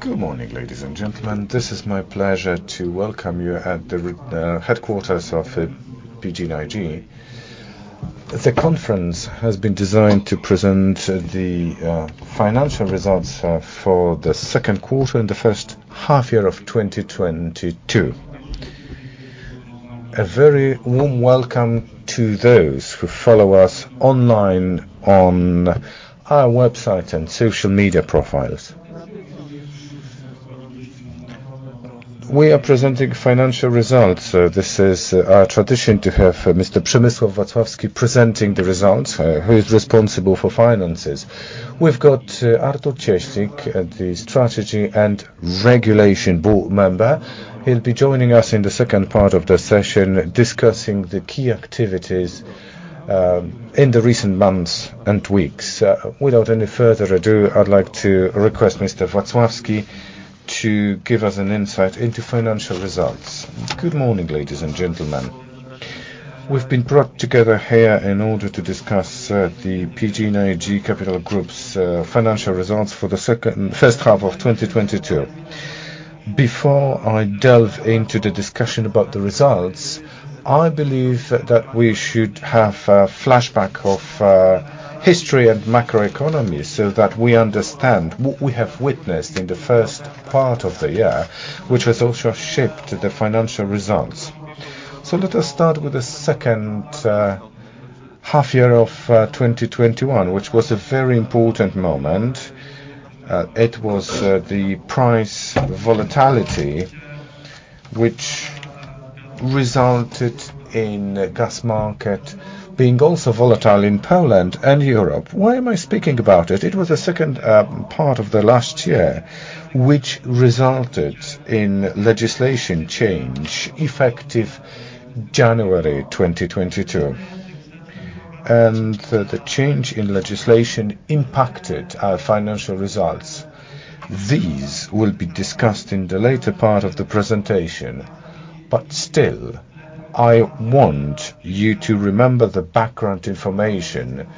Good morning, ladies and gentlemen. This is my pleasure to welcome you at the headquarters of PGNiG. The conference has been designed to present the financial results for the second quarter and the first half year of 2022. A very warm welcome to those who follow us online on our website and social media profiles. We are presenting financial results. This is our tradition to have Mr. Przemysław Wacławski presenting the results, who is responsible for finances. We've got Artur Cieślik, the strategy and regulation board member. He'll be joining us in the second part of the session, discussing the key activities in the recent months and weeks. Without any further ado, I'd like to request Mr. Wacławski to give us an insight into financial results. Good morning, ladies and gentlemen. We've been brought together here in order to discuss the PGNiG Capital Group's financial results for the first half of 2022. Before I delve into the discussion about the results, I believe that we should have a flashback of history and macroeconomy so that we understand what we have witnessed in the first part of the year, which has also shaped the financial results. Let us start with the second half year of 2021, which was a very important moment. It was the price volatility which resulted in gas market being also volatile in Poland and Europe. Why am I speaking about it? It was the second part of the last year which resulted in legislation change effective January 2022. The change in legislation impacted our financial results. These will be discussed in the later part of the presentation. Still, I want you to remember the background information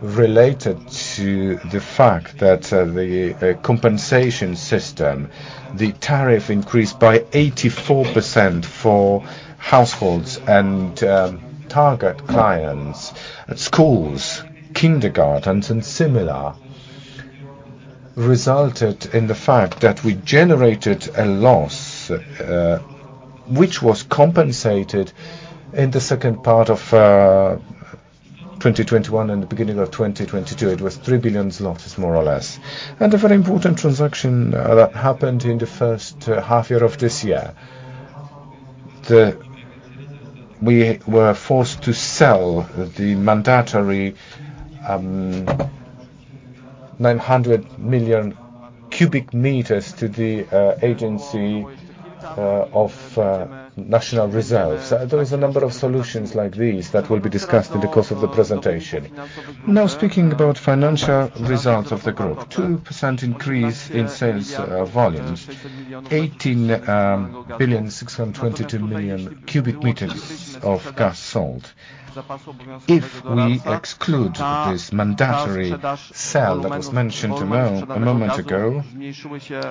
related to the fact that the compensation system, the tariff increased by 84% for households and target clients, schools, kindergartens, and similar, resulted in the fact that we generated a loss, which was compensated in the second part of 2021 and the beginning of 2022. It was 3 billion zlotys more or less. A very important transaction happened in the first half year of this year. We were forced to sell the mandatory 900 million cubic meters to the Agency of National Reserves. There is a number of solutions like these that will be discussed in the course of the presentation. Now, speaking about financial results of the group. 2% increase in sales volume. 18,622 million cubic meters of gas sold. If we exclude this mandatory sell that was mentioned a moment ago,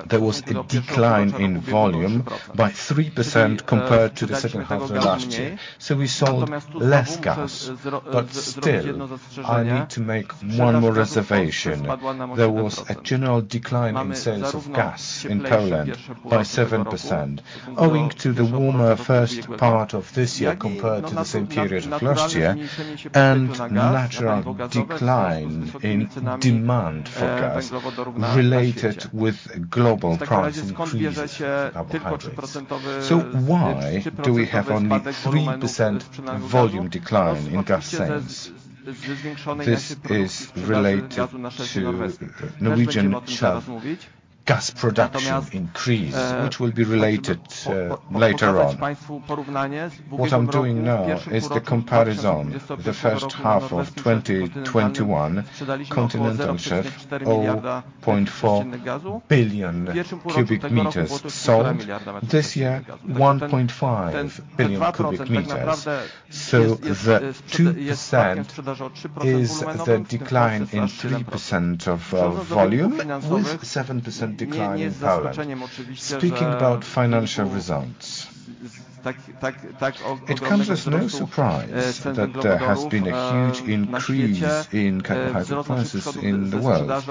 there was a decline in volume by 3% compared to the second half of last year, so we sold less gas. Still, I need to make one more reservation. There was a general decline in sales of gas in Poland by 7%, owing to the warmer first part of this year compared to the same period of last year, and natural decline in demand for gas related with global price increases of hydrocarbons. Why do we have only 3% volume decline in gas sales? This is related to Norwegian shelf gas production increase, which will be related later on. What I'm doing now is the comparison. The first half of 2021, continental shelf, 0.4 billion cubic meters sold. This year, 1.5 billion cubic meters. The 2% is the decline in 3% of volume with 7% decline in Poland. Speaking about financial results, it comes as no surprise that there has been a huge increase in carbon prices in the world. There's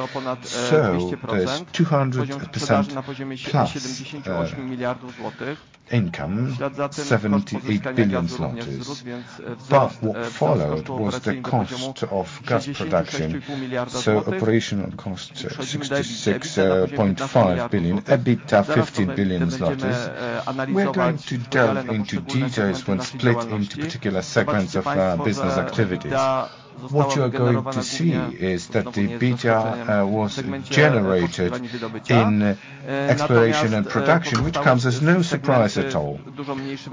200%+ income, 78 billion. What followed was the cost of gas production, so operational cost, 66.5 billion, EBITDA 50 billion. We're going to delve into details when split into particular segments of business activities. What you are going to see is that the EBITDA was generated in exploration and production, which comes as no surprise at all.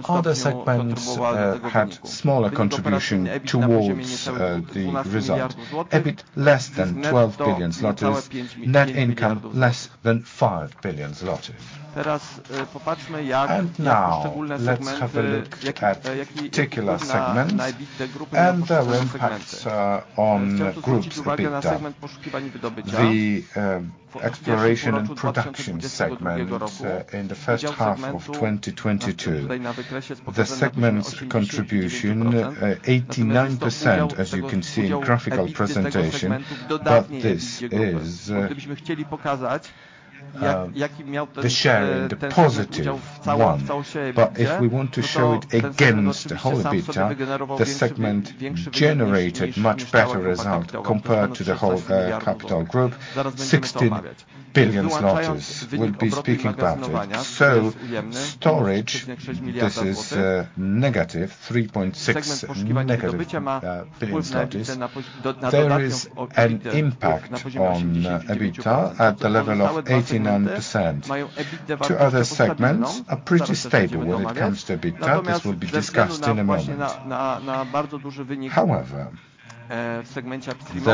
Other segments had smaller contribution towards the result. EBIT less than 12 billion zloty. Net income, less than 5 billion zloty. Now, let's have a look at particular segments and impacts on group's EBITDA. The exploration and production segment in the first half of 2022, the segment's contribution 89%, as you can see graphical presentation, but this is the share in the +1. If we want to show it against the whole EBITDA, the segment generated much better result compared to the whole capital group, 16 billion zlotys. We'll be speaking about it. Storage, this is negative 3.6 billion zlotys. There is an impact on EBITDA at the level of 89%. Two other segments are pretty stable when it comes to EBITDA. This will be discussed in a moment. However, there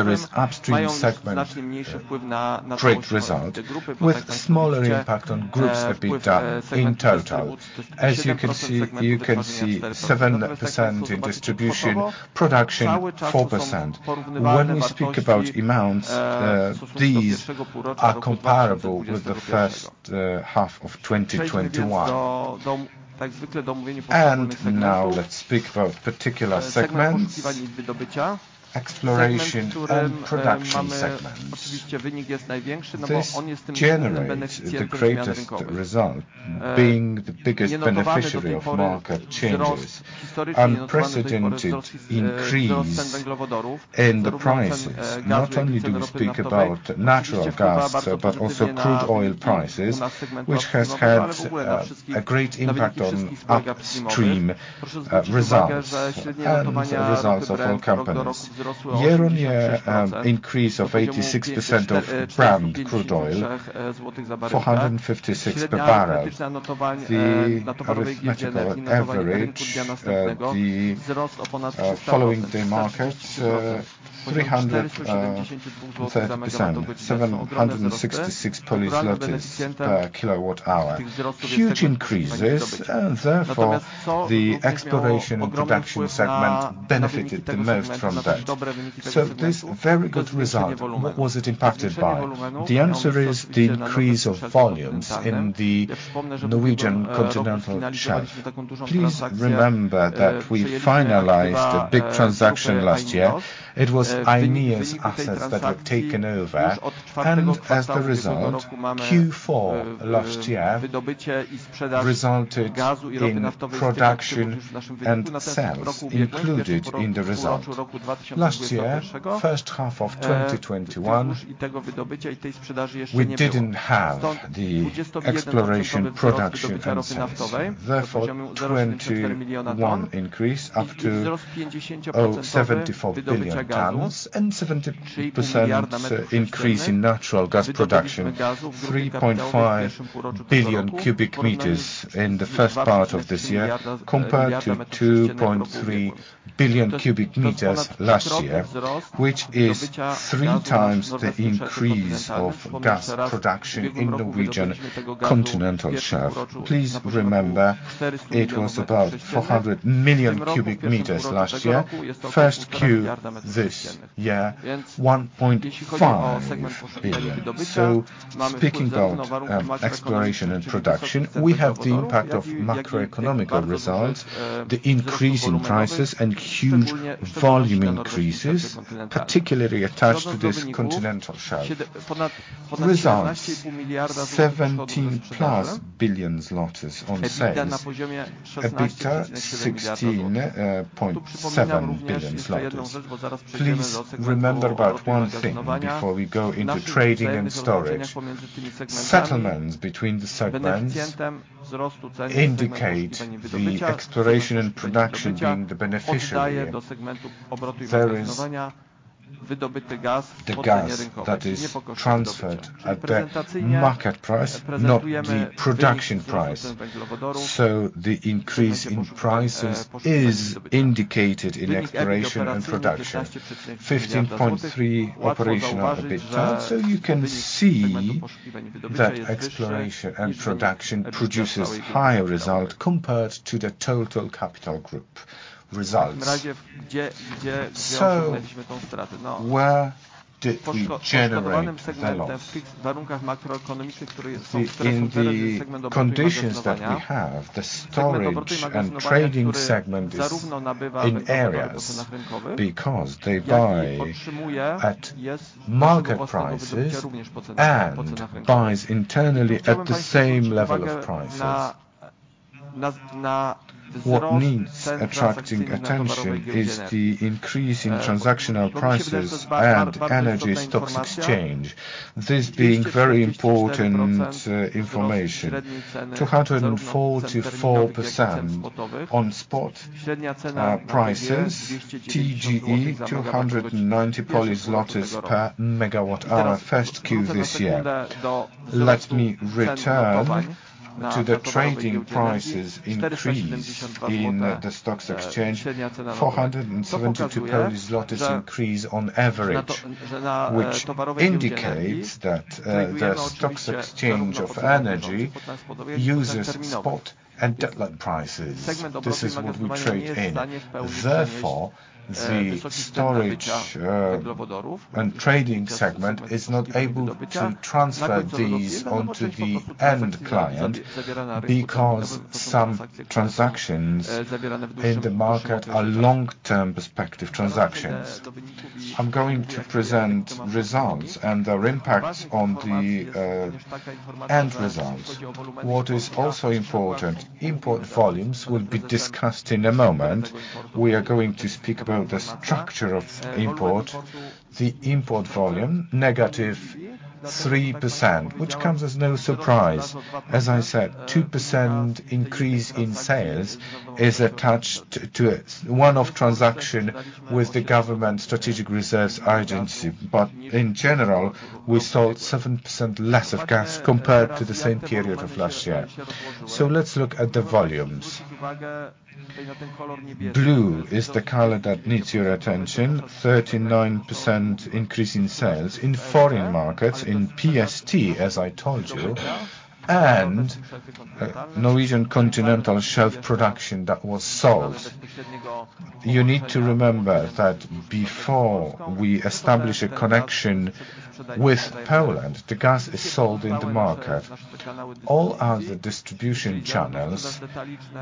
is upstream segment, great result with smaller impact on group's EBITDA in total. As you can see, 7% in distribution, production 4%. When we speak about amounts, these are comparable with the first half of 2021. Now let's speak about particular segments. Exploration and Production segment. This generates the greatest result, being the biggest beneficiary of market changes. Unprecedented increase in the prices. Not only do we speak about natural gas, but also crude oil prices, which has had a great impact on upstream results of all companies. Year-on-year increase of 86% of Brent crude oil, $456 per barrel. The arithmetic average of the day-ahead markets, PLN 337,766 per kilowatt hour. Huge increases. The exploration production segment benefited the most from that. This very good result, what was it impacted by? The answer is the increase of volumes in the Norwegian Continental Shelf. Please remember that we finalized a big transaction last year. It was INEOS assets that were taken over, and as the result, Q4 last year resulted in production and sales included in the result. Last year, first half of 2021, we didn't have the exploration, production and sales. Therefore, 2021 increase up to $0.74 billion and 70% increase in natural gas production, 3.5 billion cubic meters in the first part of this year, compared to 2.3 billion cubic meters last year, which is 3x the increase of gas production in Norwegian Continental Shelf. Please remember, it was about 400 million cubic meters last year. First quarter this year, 1.5 billion. Speaking about exploration and production, we have the impact of macroeconomic results, the increase in prices and huge volume increases, particularly attached to this continental shelf. Results, 17+ billion zlotys on sales. EBITDA 16.7 billion zlotys. Please remember about one thing before we go into trading and storage. Settlements between the segments indicates the exploration and production being the beneficiary. There is the gas that is transferred at the market price, not the production price. The increase in prices is indicated in exploration and production. 15.3 operational EBITDA. You can see that exploration and production produces higher result compared to the total capital group results. Where did we generate the loss? In the conditions that we have, the storage and trading segment is in arrears because they buy at market prices and buys internally at the same level of prices. What needs attracting attention is the increase in transactional prices and energy stock exchange, this being very important information. 244% on spot prices. TGE 290 PLN per megawatt-hour, first Q this year. Let me return to the trading prices increase in the stock exchange 472 Polish zlotys increase on average, which indicates that the stock exchange of energy uses spot and day-ahead prices. This is what we trade in. Therefore, the storage and trading segment is not able to transfer these onto the end client because some transactions in the market are long-term perspective transactions. I'm going to present results and their impacts on the end results. What is also important, import volumes will be discussed in a moment. We are going to speak about the structure of import. The import volume, -3%, which comes as no surprise. As I said, 2% increase in sales is attached to a one-off transaction with the government strategic reserves agency. In general, we sold 7% less of gas compared to the same period of last year. Let's look at the volumes. Blue is the color that needs your attention. 39% increase in sales in foreign markets in PST, as I told you, and Norwegian Continental Shelf production that was sold. You need to remember that before we establish a connection with Poland, the gas is sold in the market. All other distribution channels,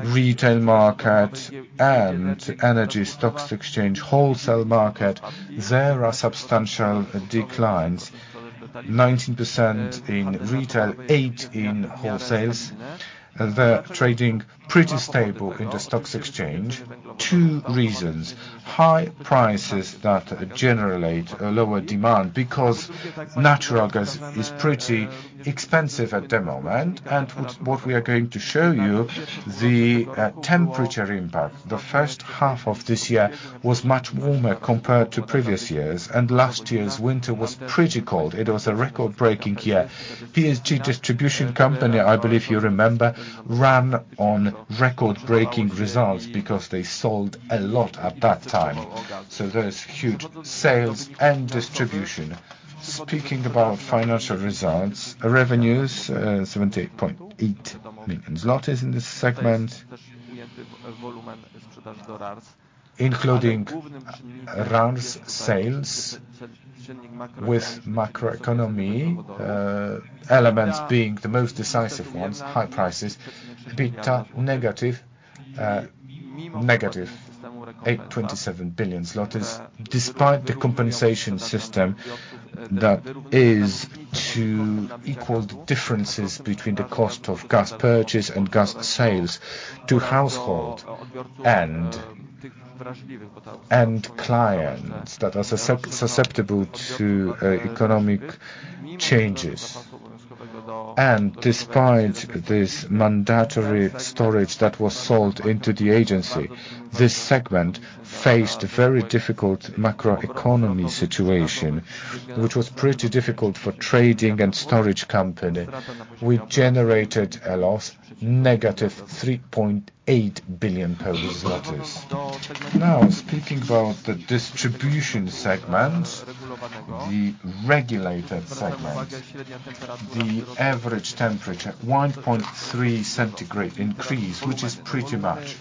retail market and energy stock exchange wholesale market, there are substantial declines. 19% in retail, 8% in wholesale. The trading pretty stable in the stock exchange. Two reasons, high prices that generate a lower demand because natural gas is pretty expensive at the moment. What we are going to show you, the temperature impact. The first half of this year was much warmer compared to previous years, and last year's winter was pretty cold. It was a record-breaking year. PSG distribution company, I believe you remember, ran on record-breaking results because they sold a lot at that time. There is huge sales and distribution. Speaking about financial results, revenues, 78.8 million zlotys in this segment, including rising sales with macroeconomic elements being the most decisive ones, high prices. EBITDA -827 billion zlotys, despite the compensation system that is to equal the differences between the cost of gas purchase and gas sales to household and clients that are susceptible to economic changes. Despite this mandatory storage that was sold into the agency, this segment faced very difficult macroeconomic situation, which was pretty difficult for trading and storage company. We generated a loss -3.8 billion PLN. Now, speaking about the distribution segment, the regulated segment, the average temperature 1.3 degrees centigrade increase, which is pretty much,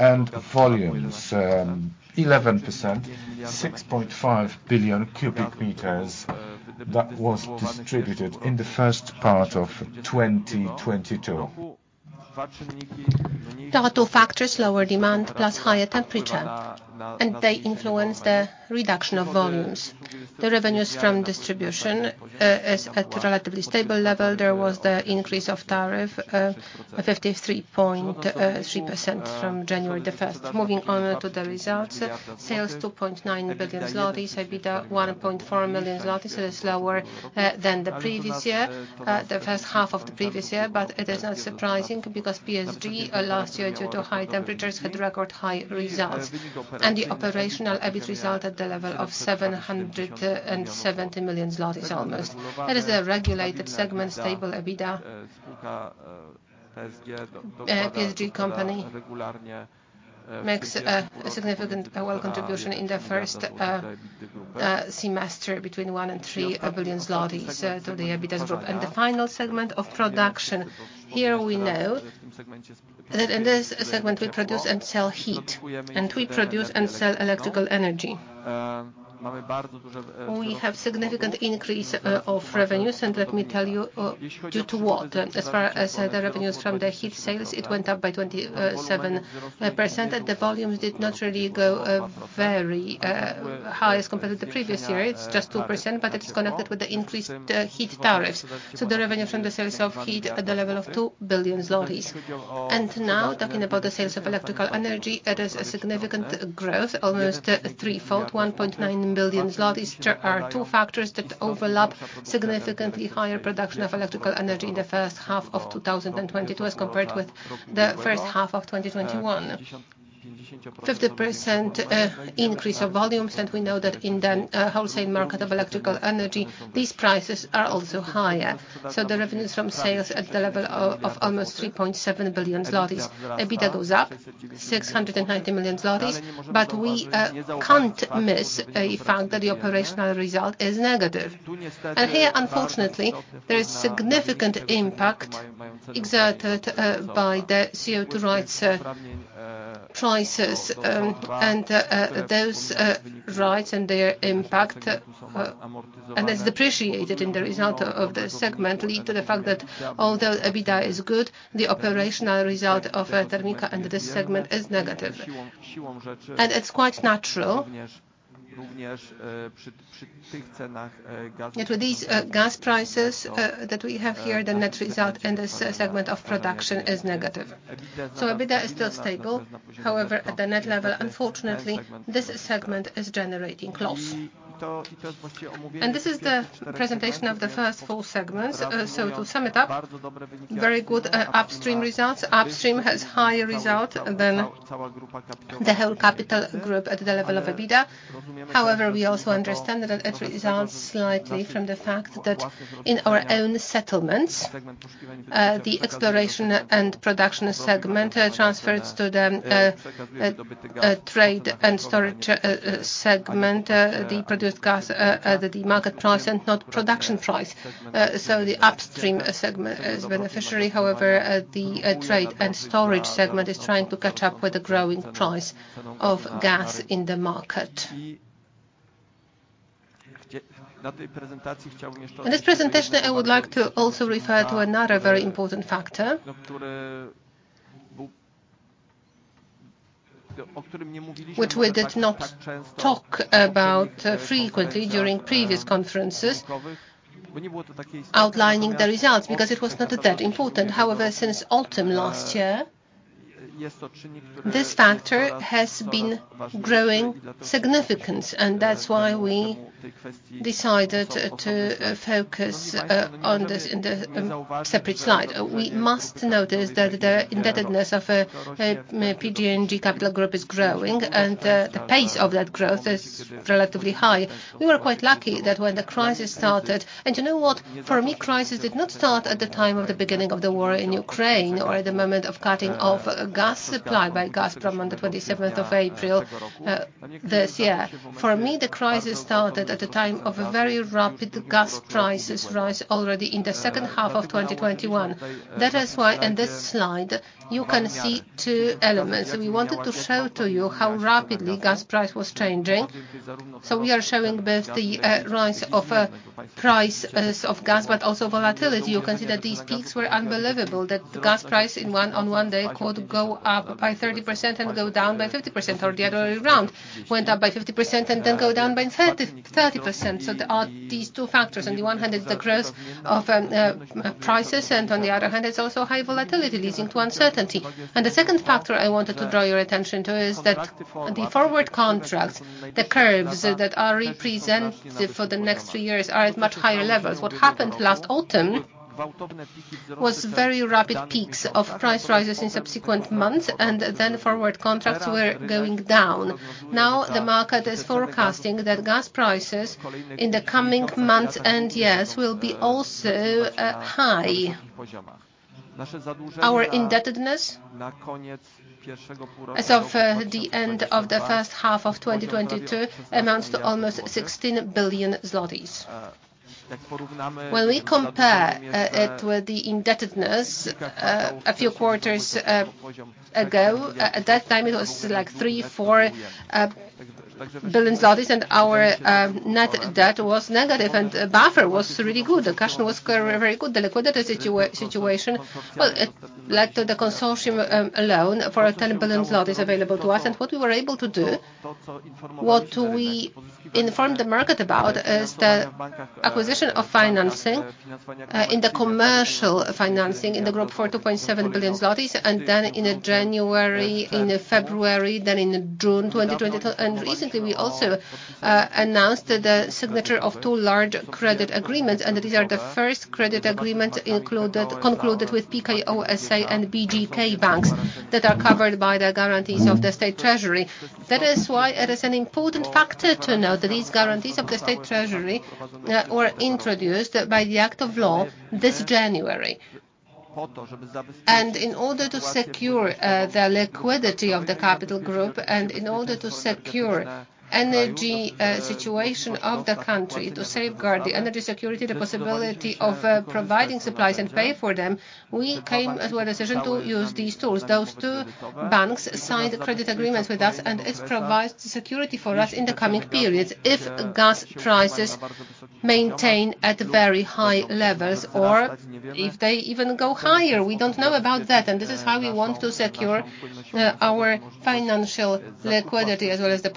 and volumes 11%, 6.5 billion cubic meters that was distributed in the first part of 2022. There are two factors, lower demand plus higher temperature, and they influence the reduction of volumes. The revenues from distribution is at relatively stable level. There was the increase of tariff at 53.3% from January 1. Moving on to the results. Sales 2.9 billion zlotys, EBITDA 1.4 million zlotys. It is lower than the previous year, the first half of the previous year. It is not surprising because PSG last year, due to high temperatures, had record high results. The operational EBIT result at the level of 770 million zlotys almost. That is a regulated segment, stable EBITDA. PSG company makes a significant well contribution in the first semester between 1 billion and 3 billion zlotys to the EBITDA group. The final segment of production. Here we know that in this segment we produce and sell heat, and we produce and sell electrical energy. We have significant increase of revenues, and let me tell you due to what. As far as the revenues from the heat sales, it went up by 27%, and the volumes did not really go very high as compared to the previous year. It's just 2%, but it is connected with the increased heat tariffs. The revenue from the sales of heat at the level of 2 billion zlotys. Now talking about the sales of electrical energy, it is a significant growth, almost threefold, 1.9 billion zlotys. There are two factors that overlap significantly higher production of electrical energy in the first half of 2022 as compared with the first half of 2021. 50% increase of volumes, and we know that in the wholesale market of electrical energy, these prices are also higher. The revenues from sales at the level of almost 3.7 billion zlotys. EBITDA goes up 690 million zlotys. We can't miss a fact that the operational result is negative. Here, unfortunately, there is significant impact exerted by the CO2 rights prices. Those rights and their impact, and it's depreciated in the result of this segment lead to the fact that although EBITDA is good, the operational result of Termika and this segment is negative. It's quite natural. With these gas prices that we have here, the net result in this segment of production is negative. EBITDA is still stable, however, at the net level, unfortunately, this segment is generating loss. This is the presentation of the first four segments. To sum it up, very good upstream results. Upstream has higher result than the whole capital group at the level of EBITDA. However, we also understand that it results slightly from the fact that in our own settlements, the exploration and production segment transfers to the trade and storage segment the produced gas at the market price and not production price. The upstream segment is beneficiary. However, the trade and storage segment is trying to catch up with the growing price of gas in the market. In this presentation, I would like to also refer to another very important factor. Which we did not talk about frequently during previous conferences outlining the results, because it was not that important. However, since autumn last year, this factor has been growing significance, and that's why we decided to focus on this in the separate slide. We must notice that the indebtedness of PGNiG Capital Group is growing, and the pace of that growth is relatively high. We were quite lucky that when the crisis started. You know what? For me, crisis did not start at the time of the beginning of the war in Ukraine or at the moment of cutting of gas supply by Gazprom on the 27th of April this year. For me, the crisis started at the time of a very rapid gas prices rise already in the second half of 2021. That is why in this slide you can see two elements. We wanted to show to you how rapidly gas price was changing. We are showing both the rise of price of gas, but also volatility. You can see that these peaks were unbelievable, that gas price on one day could go up by 30% and go down by 50% or the other way around. Went up by 50% and then go down by 30%. There are these two factors. On the one hand, it's the growth of prices, and on the other hand, it's also high volatility leading to uncertainty. The second factor I wanted to draw your attention to is that the forward contracts, the curves that are representative for the next three years are at much higher levels. What happened last autumn was very rapid peaks of price rises in subsequent months, and then forward contracts were going down. Now the market is forecasting that gas prices in the coming months and years will be also high. Our indebtedness as of the end of the first half of 2022 amounts to almost 16 billion zlotys. When we compare it with the indebtedness a few quarters ago, at that time it was, like, 3-4 billion zlotys, and our net debt was negative and buffer was really good. The cash flow was very, very good. The liquidity situation, well, it led to the consortium loan for 10 billion zlotys available to us. What we were able to do, what we informed the market about, is the acquisition of financing in the commercial financing in the group for 2.7 billion zlotys, and then in January, in February, then in June 2022. Recently we also announced the signature of two large credit agreements, and these are the first credit agreements concluded with PKO SA and BGK that are covered by the guarantees of the state treasury. That is why it is an important factor to know that these guarantees of the state treasury were introduced by the act of law this January. In order to secure the liquidity of the capital group and in order to secure energy situation of the country, to safeguard the energy security, the possibility of providing supplies and pay for them, we came to a decision to use these tools. Those two banks signed credit agreements with us, and it provides security for us in the coming periods if gas prices maintain at very high levels or if they even go higher. We don't know about that, and this is how we want to secure our financial liquidity as well as the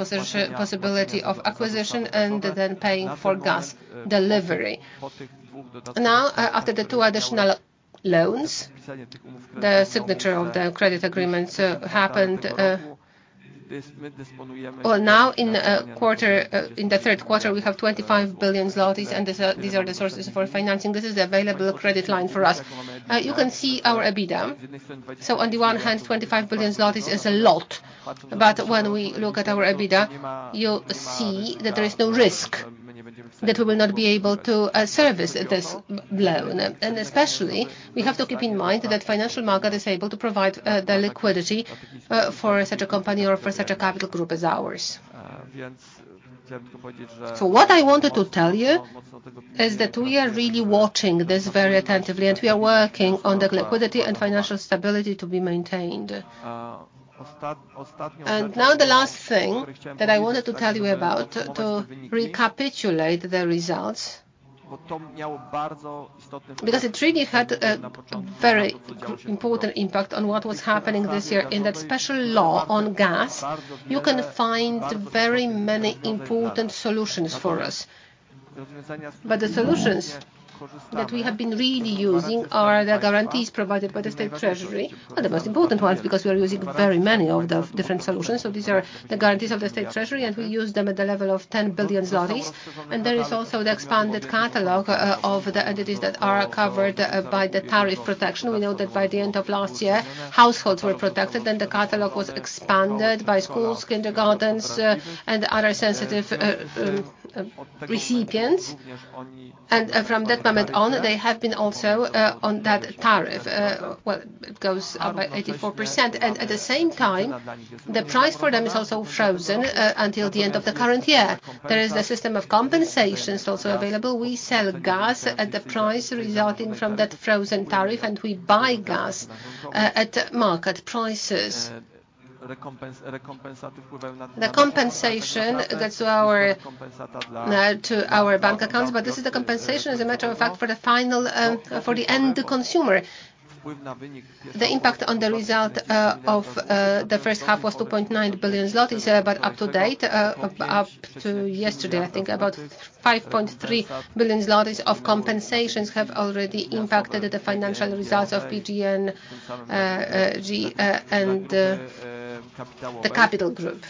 possibility of acquisition and then paying for gas delivery. Now, after the two additional loans, the signature of the credit agreements happened. Well, now in the third quarter, we have 25 billion zlotys, and these are the sources for financing. This is the available credit line for us. You can see our EBITDA. On the one hand, 25 billion zlotys is a lot, but when we look at our EBITDA, you see that there is no risk that we will not be able to service this loan. Especially, we have to keep in mind that financial market is able to provide the liquidity for such a company or for such a capital group as ours. What I wanted to tell you is that we are really watching this very attentively, and we are working on the liquidity and financial stability to be maintained. Now the last thing that I wanted to tell you about, to recapitulate the results, because it really had a very important impact on what was happening this year. In that special law on gas, you can find very many important solutions for us. The solutions that we have been really using are the guarantees provided by the state treasury, are the most important ones, because we are using very many of the different solutions. These are the guarantees of the state treasury, and we use them at the level of 10 billion zlotys. There is also the expanded catalog of the entities that are covered by the tariff protection. We know that by the end of last year, households were protected, and the catalog was expanded by schools, kindergartens, and other sensitive recipients. From that moment on, they have also been on that tariff, well, it goes up by 84%. At the same time, the price for them is also frozen until the end of the current year. There is the system of compensations also available. We sell gas at the price resulting from that frozen tariff, and we buy gas at market prices. The compensation goes to our bank accounts, but this is the compensation, as a matter of fact, for the end consumer. The impact on the result of the first half was 2.9 billion zlotys, but to date, up to yesterday, I think about 5.3 billion zlotys of compensations have already impacted the financial results of PGNiG and the Capital Group.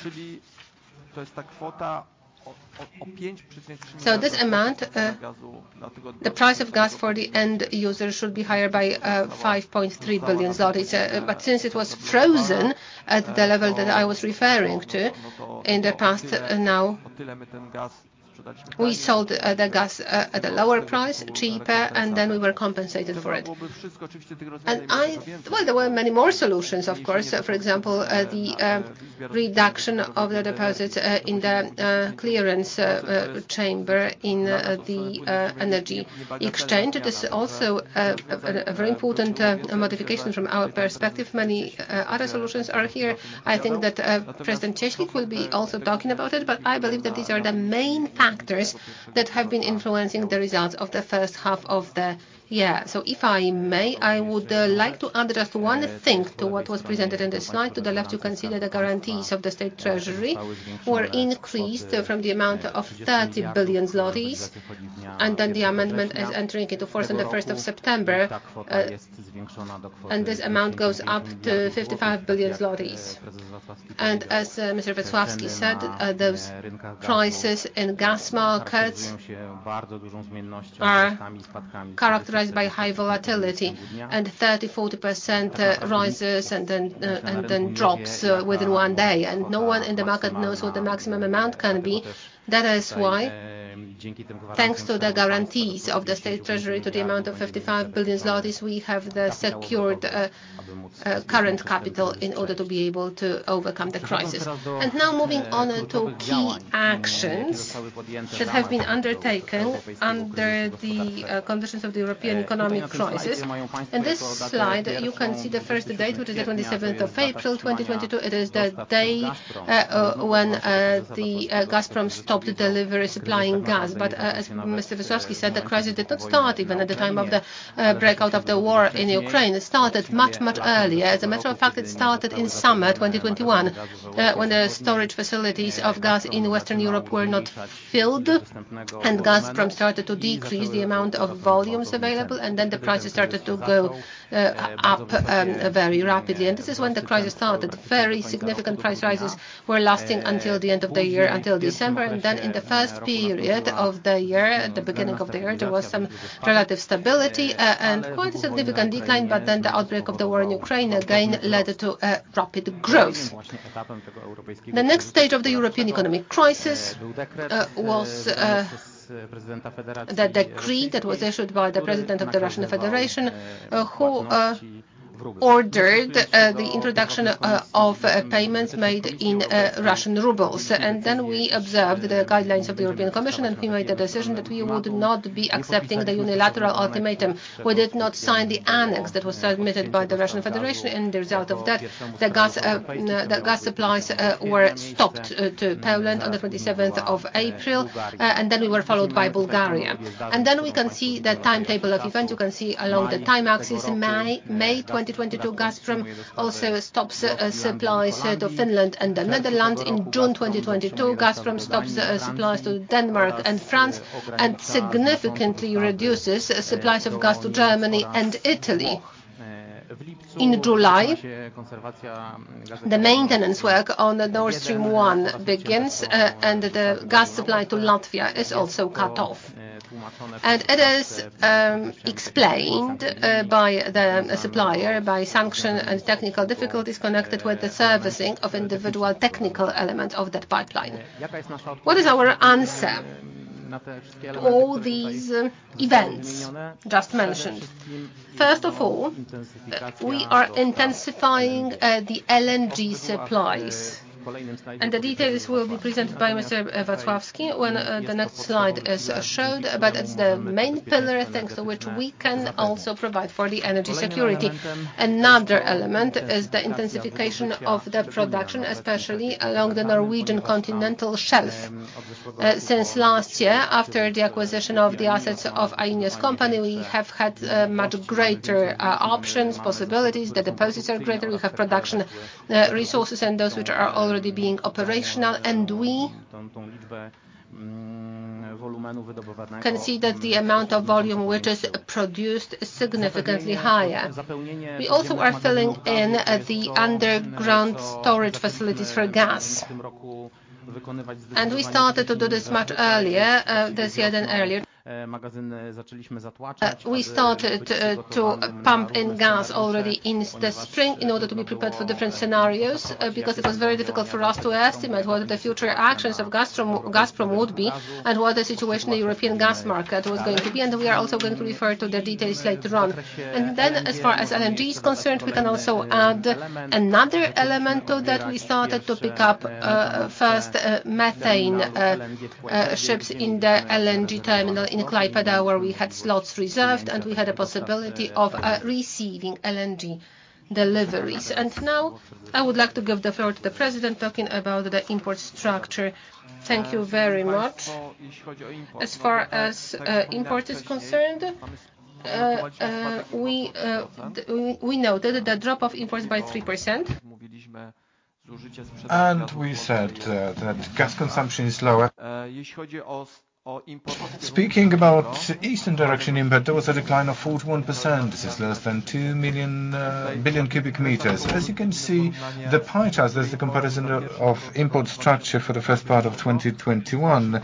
This amount, the price of gas for the end user should be higher by 5.3 billion zloty. Since it was frozen at the level that I was referring to in the past, now we sold the gas at a lower price, cheaper, and then we were compensated for it. Well, there were many more solutions, of course. For example, the reduction of the deposits in the clearing chamber in the energy exchange. It is also a very important modification from our perspective. Many other solutions are here. I think that President Cieślik will be also talking about it, but I believe that these are the main factors that have been influencing the results of the first half of the year. If I may, I would like to add just one thing to what was presented in this slide. To the left, you can see that the guarantees of the State Treasury were increased from the amount of 30 billion zlotys, and then the amendment is entering into force on the first of September, and this amount goes up to 55 billion zlotys. As Mr. Wacławski said, those prices in gas markets are characterized by high volatility, and 30%-40% rises and then drops within one day. No one in the market knows what the maximum amount can be. That is why, thanks to the guarantees of the State Treasury to the amount of 55 billion zlotys, we have the secured current capital in order to be able to overcome the crisis. Now moving on to key actions that have been undertaken under the conditions of the European economic crisis. In this slide, you can see the first date, which is the 27th of April, 2022. It is the day when Gazprom stopped supplying gas. As Mr. Wacławski said, the crisis did not start even at the time of the outbreak of the war in Ukraine. It started much, much earlier. As a matter of fact, it started in summer 2021 when the storage facilities of gas in Western Europe were not filled and Gazprom started to decrease the amount of volumes available, and then the prices started to go up very rapidly. This is when the crisis started. Very significant price rises were lasting until the end of the year, until December. In the first period of the year, at the beginning of the year, there was some relative stability, and quite a significant decline. The outbreak of the war in Ukraine again led to rapid growth. The next stage of the European economic crisis was the decree that was issued by the president of the Russian Federation, who ordered the introduction of payments made in Russian rubles. We observed the guidelines of the European Commission, and we made the decision that we would not be accepting the unilateral ultimatum. We did not sign the annex that was submitted by the Russian Federation, and the result of that, the gas supplies were stopped to Poland on the twenty-seventh of April, and then we were followed by Bulgaria. Then we can see the timetable of events. You can see along the time axis in May. May 2022, Gazprom also stops supplies to Finland and the Netherlands. In June 2022, Gazprom stops supplies to Denmark and France, and significantly reduces supplies of gas to Germany and Italy. In July, the maintenance work on the Nord Stream 1 begins, and the gas supply to Latvia is also cut off. It is explained by the supplier by sanctions and technical difficulties connected with the servicing of individual technical elements of that pipeline. What is our answer to all these events just mentioned? First of all, we are intensifying the LNG supplies, and the details will be presented by Mr. When the next slide is shown, but it's the main pillar thanks to which we can also provide for the energy security. Another element is the intensification of the production, especially on the Norwegian Continental Shelf. Since last year, after the acquisition of the assets of INEOS, we have had much greater options, possibilities. The deposits are greater. We have production resources and those which are already being operational, and we can see that the amount of volume which is produced is significantly higher. We also are filling in the underground storage facilities for gas, and we started to do this much earlier this year than earlier. We started to pump in gas already in the spring in order to be prepared for different scenarios, because it was very difficult for us to estimate what the future actions of Gazprom would be and what the situation in the European gas market was going to be, and we are also going to refer to the details later on. As far as LNG is concerned, we can also add another element to that. We started to pick up first methane ships in the LNG terminal in Klaipėda, where we had slots reserved, and we had a possibility of receiving LNG deliveries. Now I would like to give the floor to the president talking about the import structure. Thank you very much. As far as import is concerned, we noted the drop of imports by 3%. We said that gas consumption is lower. Speaking about eastern direction import, there was a decline of 41%. This is less than 2 billion cubic meters. As you can see, the pie chart, there's a comparison of import structure for the first part of 2021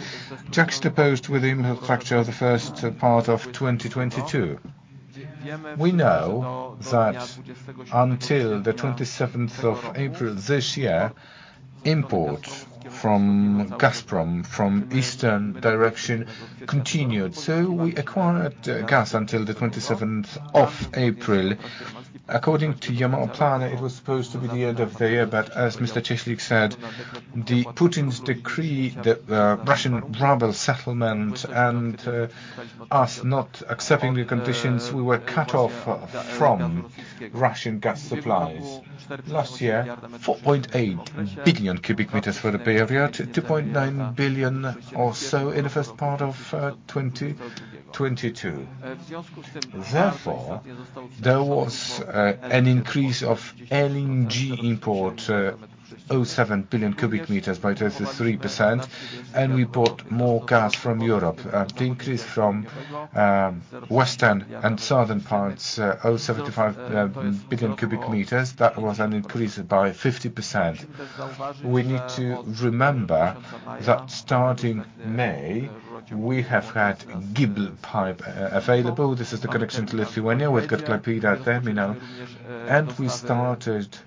juxtaposed with import structure of the first part of 2022. We know that until the twenty-seventh of April this year, import from Gazprom, from eastern direction continued. We acquired gas until the twenty-seventh of April. According to Yamal plan, it was supposed to be the end of the year, but as Mr. Cieślik said, the Putin's decree, the Russian ruble settlement and us not accepting the conditions, we were cut off from Russian gas supplies. Last year, 4.8 billion cubic meters for the period, 2.9 billion or so in the first part of 2022. Therefore, there was an increase of LNG import, 0.7 billion cubic meters by this is 3%, and we bought more gas from Europe. The increase from western and southern parts, 0.75 billion cubic meters, that was an increase by 50%. We need to remember that starting May, we have had GIPL pipeline available. This is the connection to Lithuania. We've got Klaipėda terminal, and we started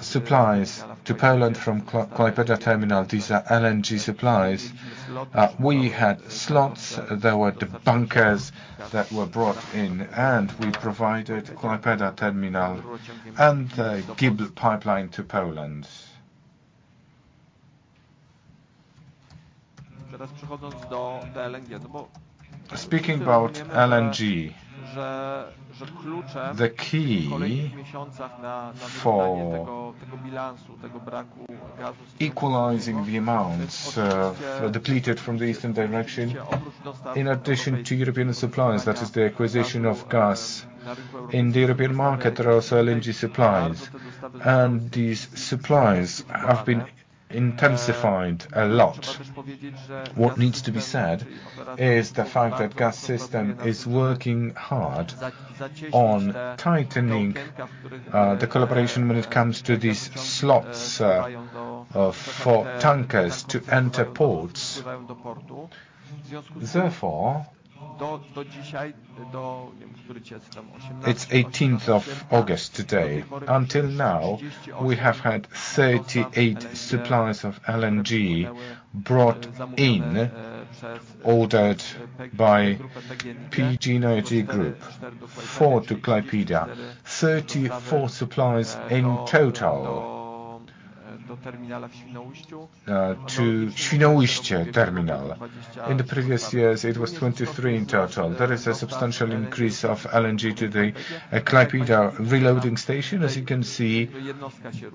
supplies to Poland from Klaipėda terminal. These are LNG supplies. We had slots. There were the tankers that were brought in, and we provided Klaipėda terminal and the GIPL pipeline to Poland. Speaking about LNG, the key for equalizing the amounts, depleted from the eastern direction, in addition to European suppliers, that is the acquisition of gas in the European market, are also LNG suppliers. These suppliers have been intensified a lot. What needs to be said is the fact that Gaz-System is working hard on tightening the collaboration when it comes to these slots for tankers to enter ports. It's the eighteenth of August today. Until now, we have had 38 suppliers of LNG brought in, ordered by PGNiG Group. Four to Klaipėda, 34 suppliers in total to Świnoujście terminal. In the previous years, it was 23 in total. There is a substantial increase of LNG to the Klaipėda reloading station. As you can see,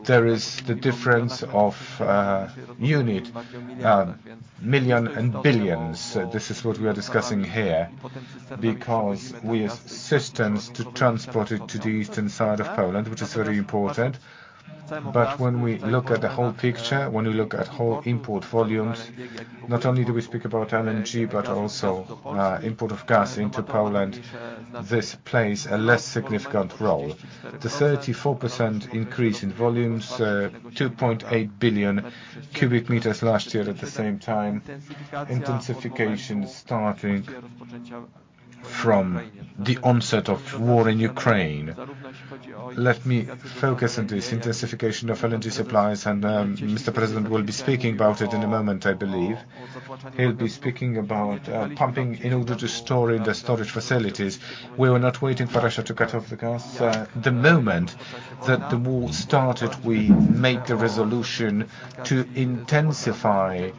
there is the difference of unit, million and billions. This is what we are discussing here because we have systems to transport it to the eastern side of Poland, which is very important. When we look at the whole picture, when we look at whole import volumes, not only do we speak about LNG, but also import of gas into Poland, this plays a less significant role. The 34% increase in volumes, 2.8 billion cubic meters last year at the same time, intensification starting from the onset of war in Ukraine. Let me focus on this intensification of LNG supplies, and Mr. President will be speaking about it in a moment, I believe. He'll be speaking about pumping in order to store in the storage facilities. We were not waiting for Russia to cut off the gas. The moment that the war started, we made the resolution to intensify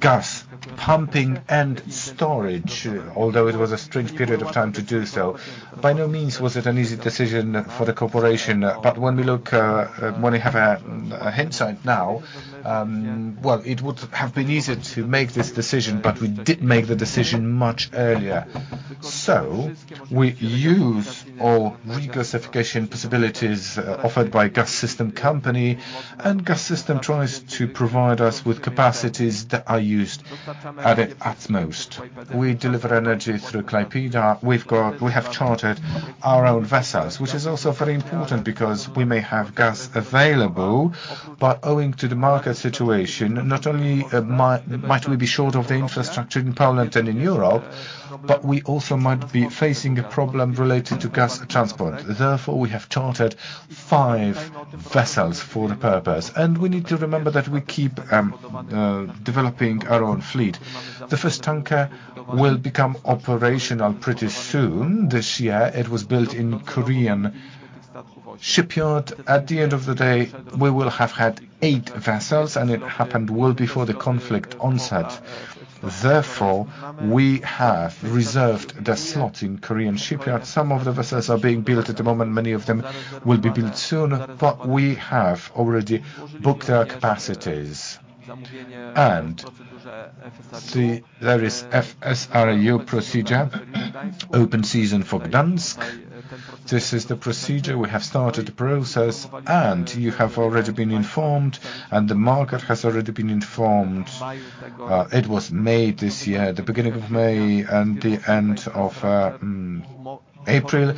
gas pumping and storage, although it was a strange period of time to do so. By no means was it an easy decision for the corporation. When we have hindsight now, well, it would have been easier to make this decision, but we did make the decision much earlier. We use all regasification possibilities offered by Gaz-System, and Gaz-System tries to provide us with capacities that are used at most. We deliver energy through Klaipėda. We have chartered our own vessels, which is also very important because we may have gas available, but owing to the market situation, not only might we be short of the infrastructure in Poland and in Europe, but we also might be facing a problem related to gas transport. Therefore, we have chartered five vessels for the purpose. We need to remember that we keep developing our own fleet. The first tanker will become operational pretty soon this year. It was built in Korean shipyard. At the end of the day, we will have had eight vessels, and it happened well before the conflict onset. Therefore, we have reserved the slot in Korean shipyard. Some of the vessels are being built at the moment. Many of them will be built soon, but we have already booked their capacities. See, there is FSRU procedure, open season for Gdańsk. This is the procedure. We have started the process, and you have already been informed, and the market has already been informed. It was May this year, the beginning of May and the end of April.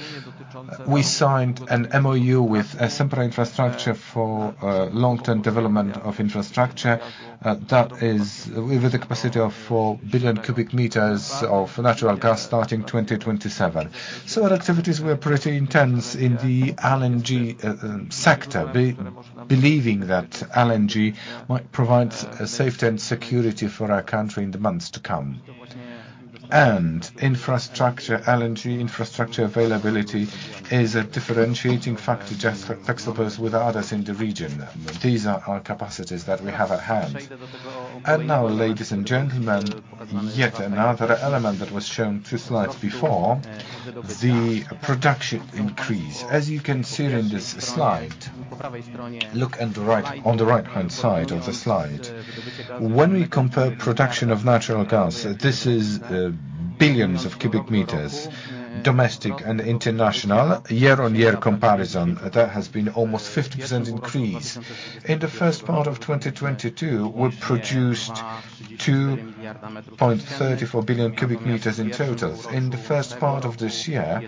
We signed an MoU with Sempra Infrastructure for long-term development of infrastructure, that is with a capacity of 4 billion cubic meters of natural gas starting 2027. Our activities were pretty intense in the LNG sector, believing that LNG might provide safety and security for our country in the months to come. Infrastructure, LNG infrastructure availability is a differentiating factor just for PGNiG with others in the region. These are our capacities that we have at hand. Now, ladies and gentlemen, yet another element that was shown two slides before, the production increase. As you can see it in this slide, look at the right-hand side of the slide. When we compare production of natural gas, this is billions of cubic meters, domestic and international, year-on-year comparison. There has been almost 50% increase. In the first part of 2022, we produced 2.34 billion cubic meters in total. In the first part of this year,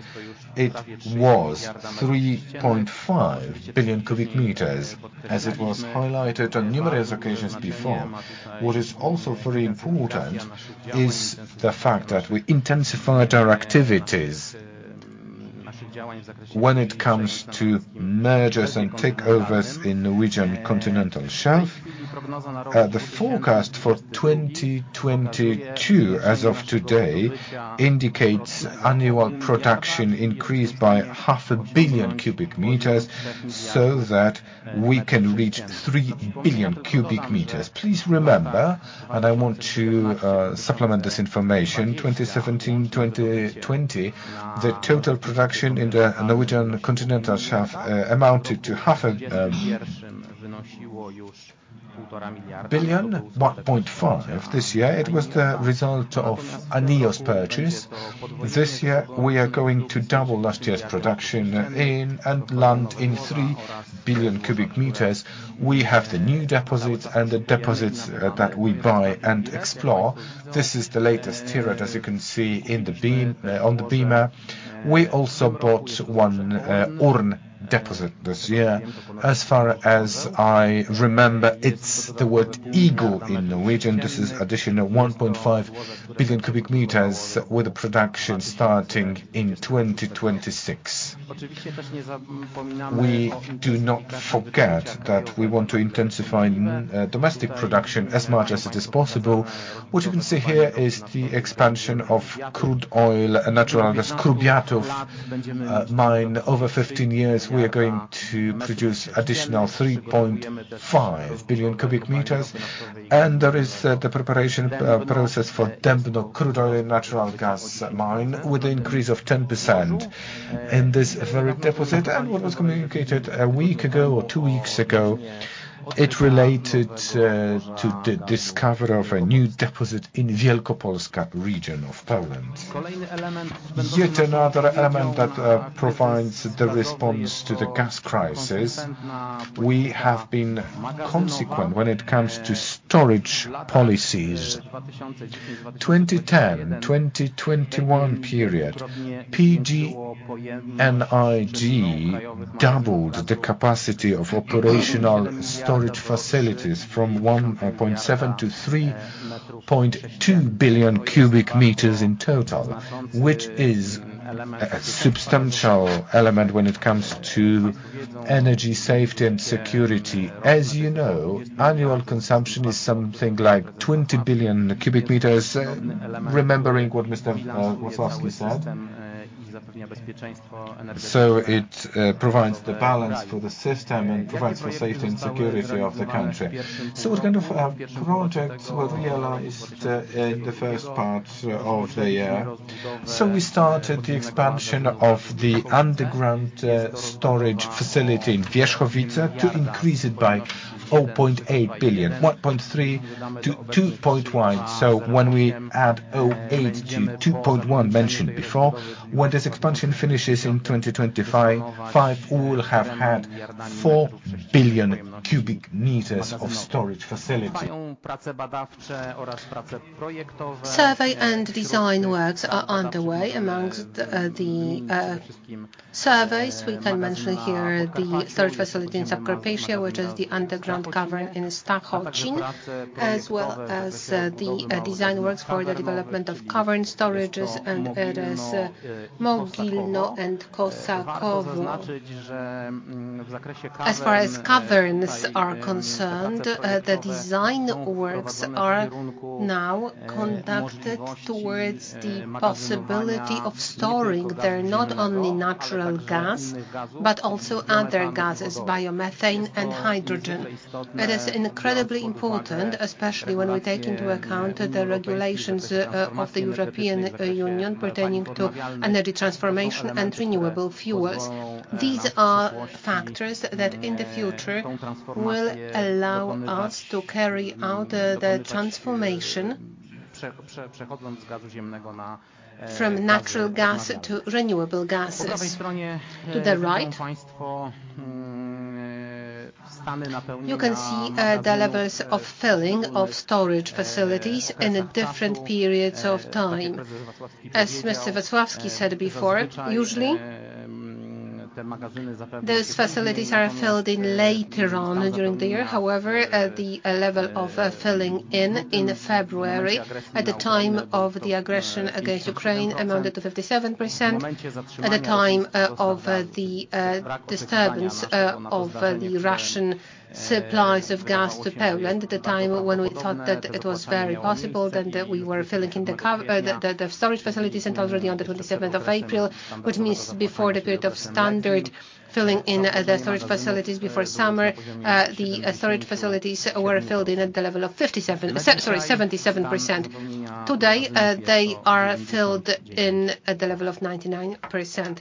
it was 3.5 billion cubic meters. As it was highlighted on numerous occasions before, what is also very important is the fact that we intensified our activities when it comes to mergers and takeovers in Norwegian Continental Shelf. The forecast for 2022 as of today indicates annual production increased by 0.5 billion cubic meters, so that we can reach 3 billion cubic meters. Please remember, I want to supplement this information, 2017, 2020, the total production in the Norwegian Continental Shelf amounted to 0.5 billion, 1.5. This year, it was the result of INEOS purchase. This year, we are going to double last year's production and land in 3 billion cubic meters. We have the new deposits and the deposits that we buy and explore. This is the latest slide, as you can see on the screen, on the beamer. We also bought one Ørn deposit this year. As far as I remember, it's the word eagle in Norwegian. This is additional 1.5 billion cubic meters with the production starting in 2026. We do not forget that we want to intensify domestic production as much as it is possible. What you can see here is the expansion of crude oil and natural gas, Lubiatów Mine. Over 15 years, we are going to produce additional 3.5 billion cubic meters. There is the preparation process for Dębno crude oil and natural gas mine with an increase of 10% in this very deposit. What was communicated a week ago or two weeks ago, it related to discovery of a new deposit in Wielkopolska region of Poland. Yet another element that provides the response to the gas crisis, we have been consequent when it comes to storage policies. 2010-2021 period, PGNiG doubled the capacity of operational storage facilities from 1.7 - 3.2 billion cubic meters in total, which is a substantial element when it comes to energy safety and security. As you know, annual consumption is something like 20 billion cubic meters, remembering what Mr. Wacławski said. It provides the balance for the system and provides for safety and security of the country. What kind of projects were realized in the first part of the year? We started the expansion of the underground storage facility in Wierzchowice to increase it by 0.8 billion, 1.3 - 2.1. When we add 0.8 - 2.1 mentioned before, when this expansion finishes in 2025, we will have had 4 billion cubic meters of storage facility. Survey and design works are underway. Among the surveys, we can mention here the storage facility in Subcarpathia, which is the underground cavern in Strachocina, as well as the design works for the development of cavern storages and that is Mogilno and Kosakowo. As far as caverns are concerned, the design works are now conducted towards the possibility of storing there not only natural gas, but also other gases, biomethane and hydrogen. That is incredibly important, especially when we take into account the regulations of the European Union pertaining to energy transformation and renewable fuels. These are factors that in the future will allow us to carry out the transformation from natural gas to renewable gases. To the right, you can see the levels of filling of storage facilities in different periods of time. As Mr. Wacławski said before, usually those facilities are filled in later on during the year. However, the level of filling in February at the time of the aggression against Ukraine amounted to 57%. At the time of the disturbance of the Russian supplies of gas to Poland, at the time when we thought that it was very possible then that we were filling in the storage facilities and already on the 27th of April, which means before the period of standard filling in the storage facilities before summer, the storage facilities were filled in at the level of 57%, sorry, 77%. Today, they are filled in at the level of 99%.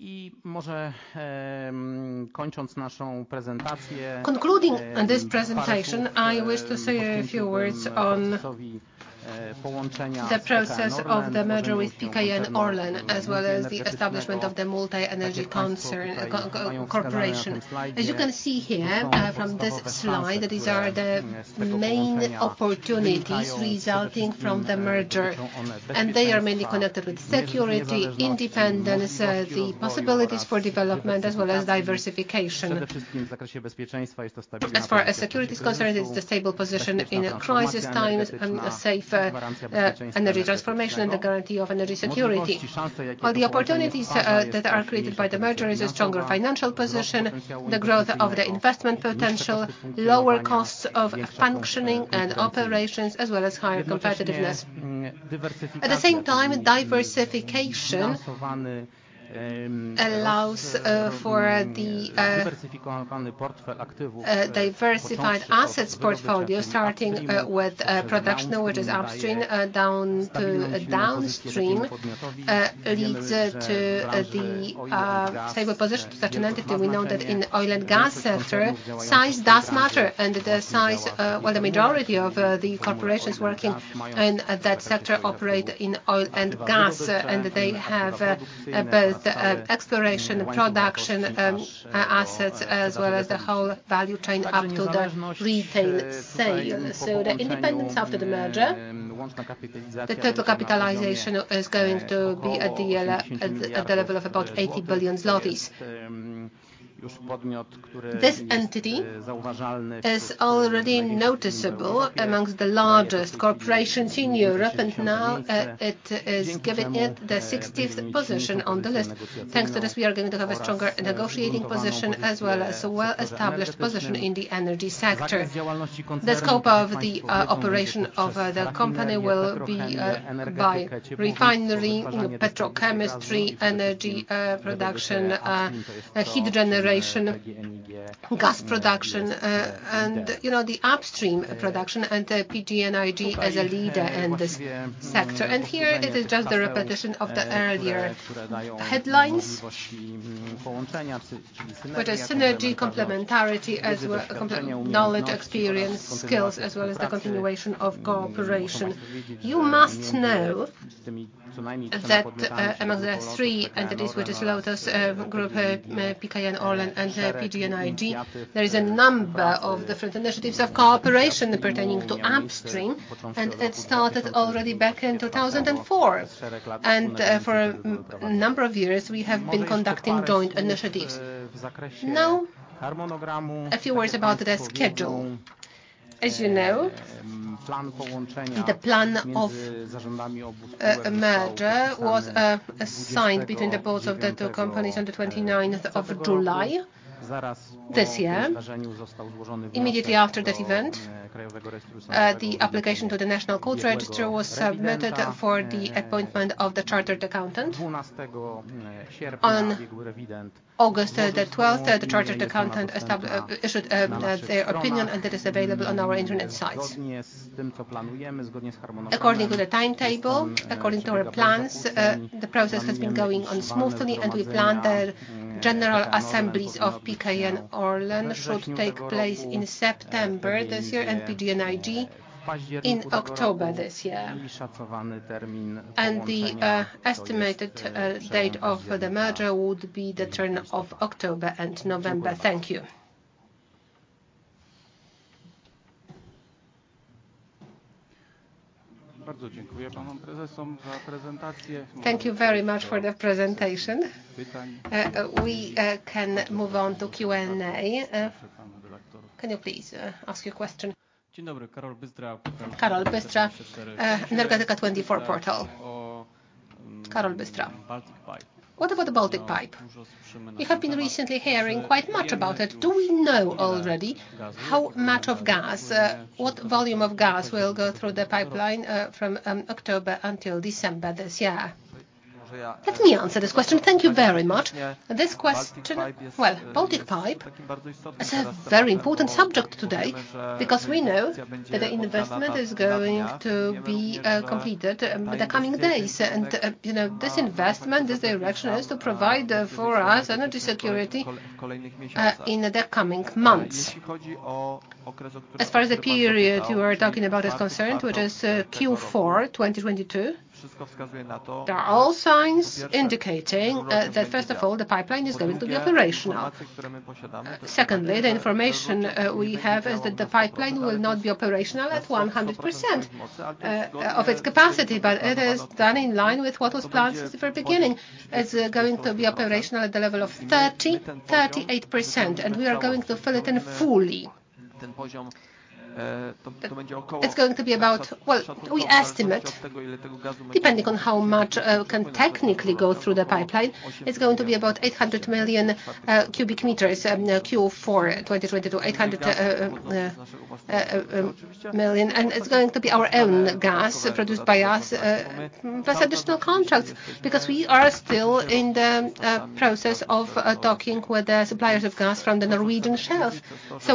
Concluding on this presentation, I wish to say a few words on the process of the merger with PKN Orlen, as well as the establishment of the multi-energy concern corporation. As you can see here from this slide, these are the main opportunities resulting from the merger, and they are mainly connected with security, independence, the possibilities for development, as well as diversification. As far as security is concerned, it's the stable position in crisis times and a safe energy transformation and the guarantee of energy security. The opportunities that are created by the merger is a stronger financial position, the growth of the investment potential, lower costs of functioning and operations, as well as higher competitiveness. At the same time, diversification allows for the diversified assets portfolio, starting with production, which is upstream, down to downstream, leads to the stable position to such an entity. We know that in oil and gas sector, size does matter. The size, well, the majority of the corporations working in that sector operate in oil and gas, and they have both exploration, production, assets, as well as the whole value chain up to the retail sale. The independence after the merger, the total capitalization is going to be at the level of about 80 billion zlotys. This entity is already noticeable among the largest corporations in Europe, and now, it is giving it the sixteenth position on the list. Thanks to this, we are going to have a stronger negotiating position as well as a well-established position in the energy sector. The scope of the operation of the company will be refining, petrochemistry, energy production, heat generation, gas production, and, you know, the upstream production, and the PGNiG as a leader in this sector. Here it is just the repetition of the earlier headlines, which is synergy, complementarity as well, complete knowledge, experience, skills, as well as the continuation of cooperation. You must know that, among the three entities, which is Grupa Lotos, PKN Orlen, and PGNiG, there is a number of different initiatives of cooperation pertaining to upstream, and it started already back in 2004. For a number of years we have been conducting joint initiatives. Now, a few words about the schedule. As you know, the plan of a merger was assigned between the boards of the two companies on the 29th of July this year. Immediately after that event, the application to the National Court Register was submitted for the appointment of the chartered accountant. On August 12, the chartered accountant issued their opinion, and it is available on our Internet sites. According to the timetable, according to our plans, the process has been going on smoothly, and we plan the general assemblies of PKN Orlen should take place in September this year, and PGNiG in October this year. The estimated date of the merger would be the turn of October and November. Thank you. Thank you very much for the presentation. We can move on to Q&A. Can you please ask your question? Karol Bystra, Energetyka24 Portal. Karol Bystra. What about the Baltic Pipe? We have been recently hearing quite much about it. Do we know already how much of gas, what volume of gas will go through the pipeline, from October until December this year? Let me answer this question. Thank you very much. This question. Well, Baltic Pipe is a very important subject today because we know that the investment is going to be completed in the coming days. You know, this investment, this direction, is to provide for us energy security in the coming months. As far as the period you are talking about is concerned, which is Q4 2022, there are all signs indicating that first of all the pipeline is going to be operational. Secondly, the information we have is that the pipeline will not be operational at 100% of its capacity, but it is done in line with what was planned since the very beginning. It's going to be operational at the level of 38%, and we are going to fill it in fully. It's going to be about. Well, we estimate, depending on how much can technically go through the pipeline, it's going to be about 800 million cubic meters in Q4 2022. It's going to be our own gas produced by us, plus additional contracts, because we are still in the process of talking with the suppliers of gas from the Norwegian shelf.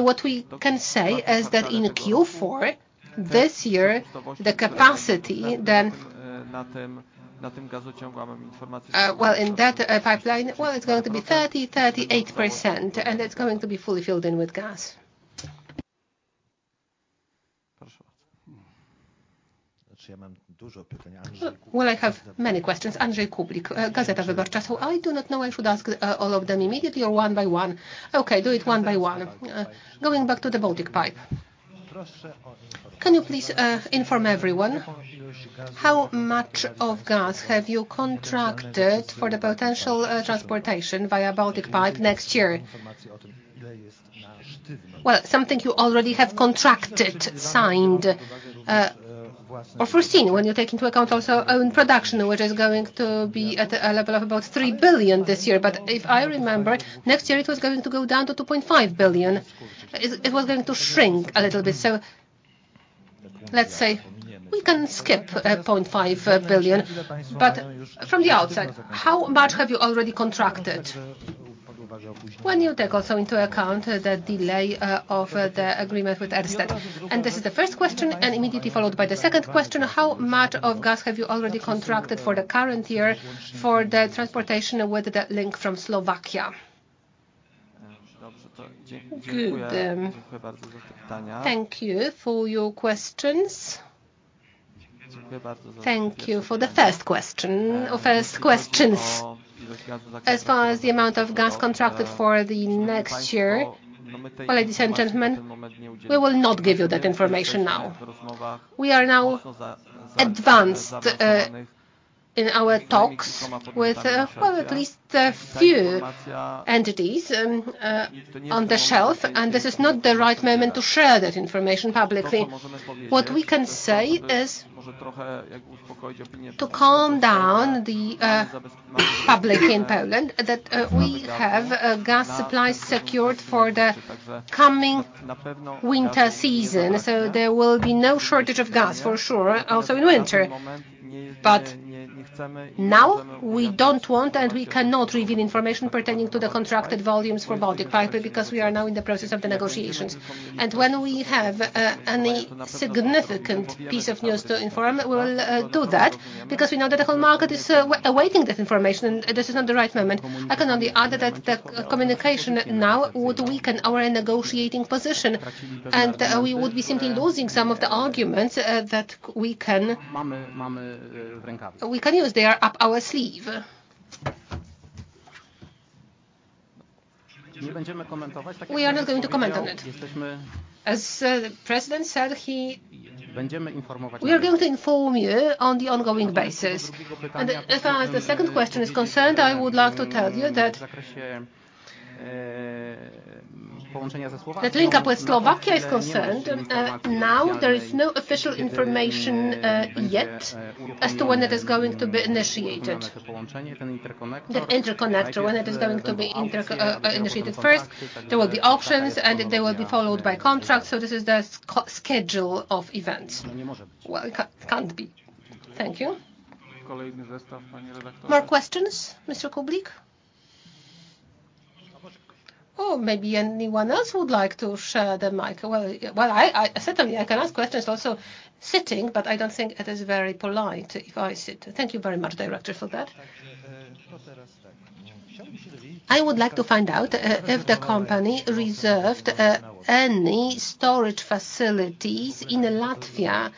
What we can say is that in Q4 this year, the capacity then in that pipeline, it's going to be 38%, and it's going to be fully filled in with gas. I have many questions. Andrzej Kublik, Gazeta Wyborcza. I do not know, I should ask all of them immediately or one by one? Okay, do it one by one. Going back to the Baltic Pipe, can you please inform everyone how much of gas have you contracted for the potential transportation via Baltic Pipe next year? Something you already have contracted, signed or foreseen when you take into account also own production, which is going to be at a level of about 3 billion this year. If I remember, next year it was going to go down to 2.5 billion. It was going to shrink a little bit. Let's say we can skip 0.5 billion. From the outside, how much have you already contracted when you take also into account the delay of the agreement with Ørsted? This is the first question, immediately followed by the second question, how much of gas have you already contracted for the current year for the transportation with the link from Slovakia? Good. Thank you for your questions. Thank you for the first question, or first questions. As far as the amount of gas contracted for the next year, ladies and gentlemen, we will not give you that information now. We are now advanced in our talks with well, at least a few entities and on the shelf, and this is not the right moment to share that information publicly. What we can say is to calm down the public in Poland that we have gas supplies secured for the coming winter season, so there will be no shortage of gas for sure also in winter. Now we don't want, and we cannot reveal information pertaining to the contracted volumes for Baltic Pipe because we are now in the process of the negotiations. When we have any significant piece of news to inform, we will do that because we know that the whole market is awaiting this information and this is not the right moment. I can only add that the communication now would weaken our negotiating position, and we would be simply losing some of the arguments that we can use. They are up our sleeve. We are not going to comment on it. As the president said, we are going to inform you on the ongoing basis. As far as the second question is concerned, I would like to tell you that link up with Slovakia is concerned, now there is no official information yet as to when it is going to be initiated. The interconnector, when it is going to be initiated first, there will be options, and they will be followed by contracts, so this is the schedule of events. Well, it can't be. Thank you. More questions, Mr. Kublik? Oh, maybe anyone else would like to share the mic. Well, I certainly can ask questions also sitting, but I don't think it is very polite if I sit. Thank you very much, Director, for that. I would like to find out if the company reserved any storage facilities in Latvia.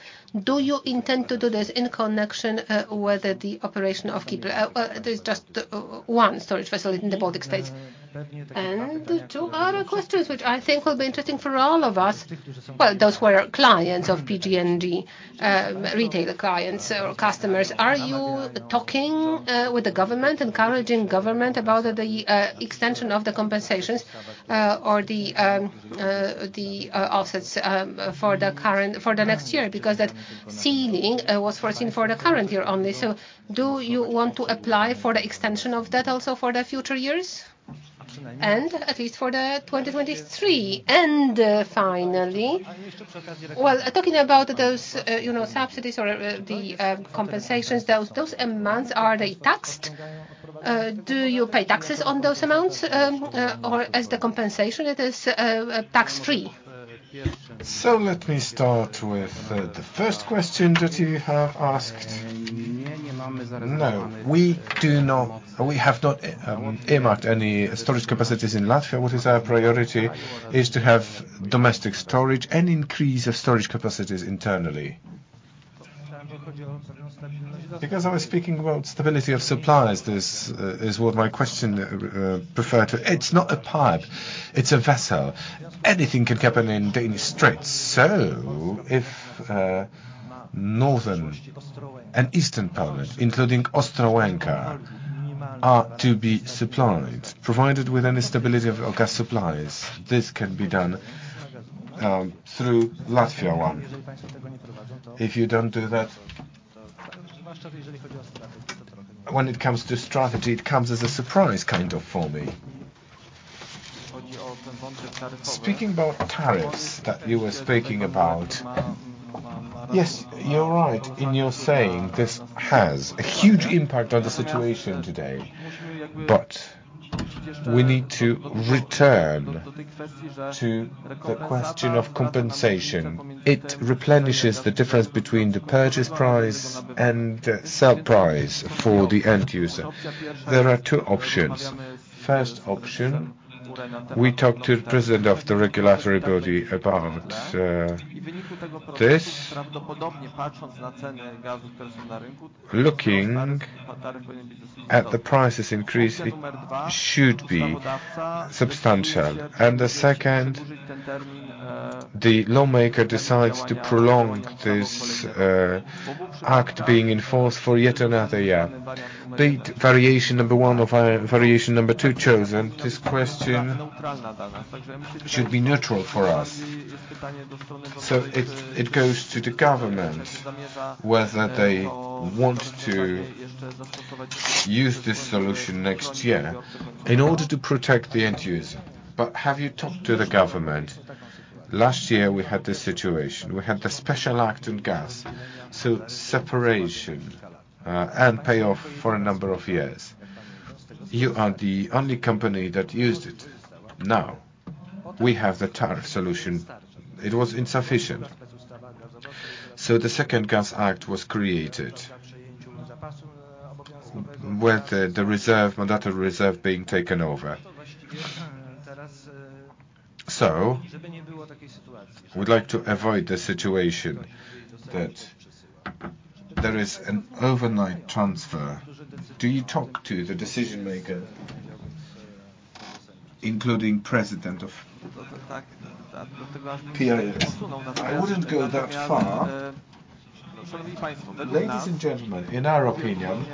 Do you intend to do this in connection with the operation of GIPL? There's just one storage facility in the Baltic States. Two other questions which I think will be interesting for all of us. Well, those who are clients of PGNiG, retail clients or customers. Are you talking with the government, encouraging the government about the extension of the compensations or the offsets for the next year? Because that ceiling was foreseen for the current year only. Do you want to apply for the extension of that also for the future years and at least for 2023? Finally, well, talking about those, you know, subsidies or the compensations, those amounts, are they taxed? Do you pay taxes on those amounts, or as the compensation it is tax-free? Let me start with the first question that you have asked. We have not earmarked any storage capacities in Latvia. What is our priority is to have domestic storage and increase of storage capacities internally. Because I was speaking about stability of supplies, this is what my question refers to. It's not a pipe, it's a vessel. Anything can happen in Danish Straits. If northern and eastern Poland, including Ostrołęka, are to be supplied, provided with any stability of gas supplies, this can be done through Latvia one. If you don't do that, when it comes to strategy, it comes as a surprise kind of for me. Speaking about tariffs that you were speaking about, yes, you're right in saying this has a huge impact on the situation today. We need to return to the question of compensation. It replenishes the difference between the purchase price and sell price for the end user. There are two options. First option, we talk to the president of the regulatory body about this. Looking at the prices increase, it should be substantial. The second, the lawmaker decides to prolong this act being in force for yet another year. Be it variation number one or variation number two chosen, this question should be neutral for us. It goes to the government whether they want to use this solution next year in order to protect the end user. Have you talked to the government? Last year we had this situation. We had the special act on gas. Separation and payoff for a number of years. You are the only company that used it. Now, we have the tariff solution. It was insufficient. The second gas act was created. With the reserve, mandatory reserve being taken over. We'd like to avoid the situation that there is an overnight transfer. Do you talk to the decision maker, including president of PL. I wouldn't go that far. Ladies and gentlemen, in our opinion,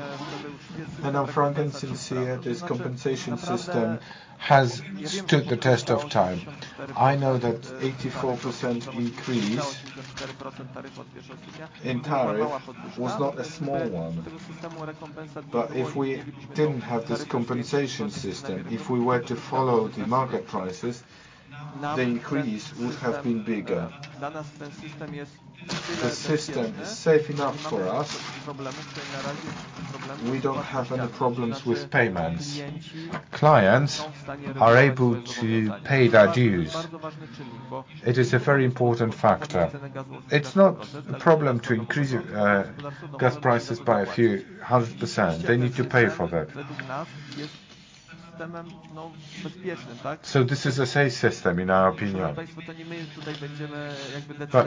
and I'm frank and sincere, this compensation system has stood the test of time. I know that 84% increase in tariff was not a small one. If we didn't have this compensation system, if we were to follow the market prices, the increase would have been bigger. The system is safe enough for us. We don't have any problems with payments. Clients are able to pay their dues. It is a very important factor. It's not a problem to increase gas prices by a few 100%. They need to pay for that. This is a safe system, in our opinion.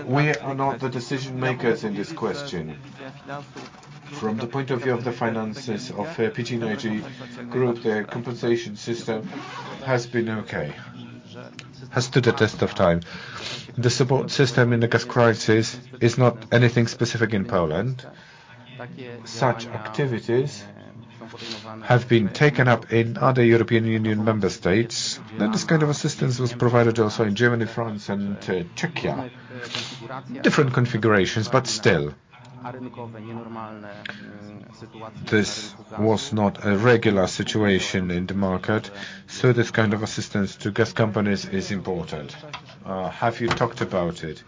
We are not the decision makers in this question. From the point of view of the finances of PGNiG Group, the compensation system has been okay. Has stood the test of time. The support system in the gas crisis is not anything specific in Poland. Such activities have been taken up in other European Union member states, and this kind of assistance was provided also in Germany, France and Czechia. Different configurations, but still. This was not a regular situation in the market, so this kind of assistance to gas companies is important. Have you talked about it?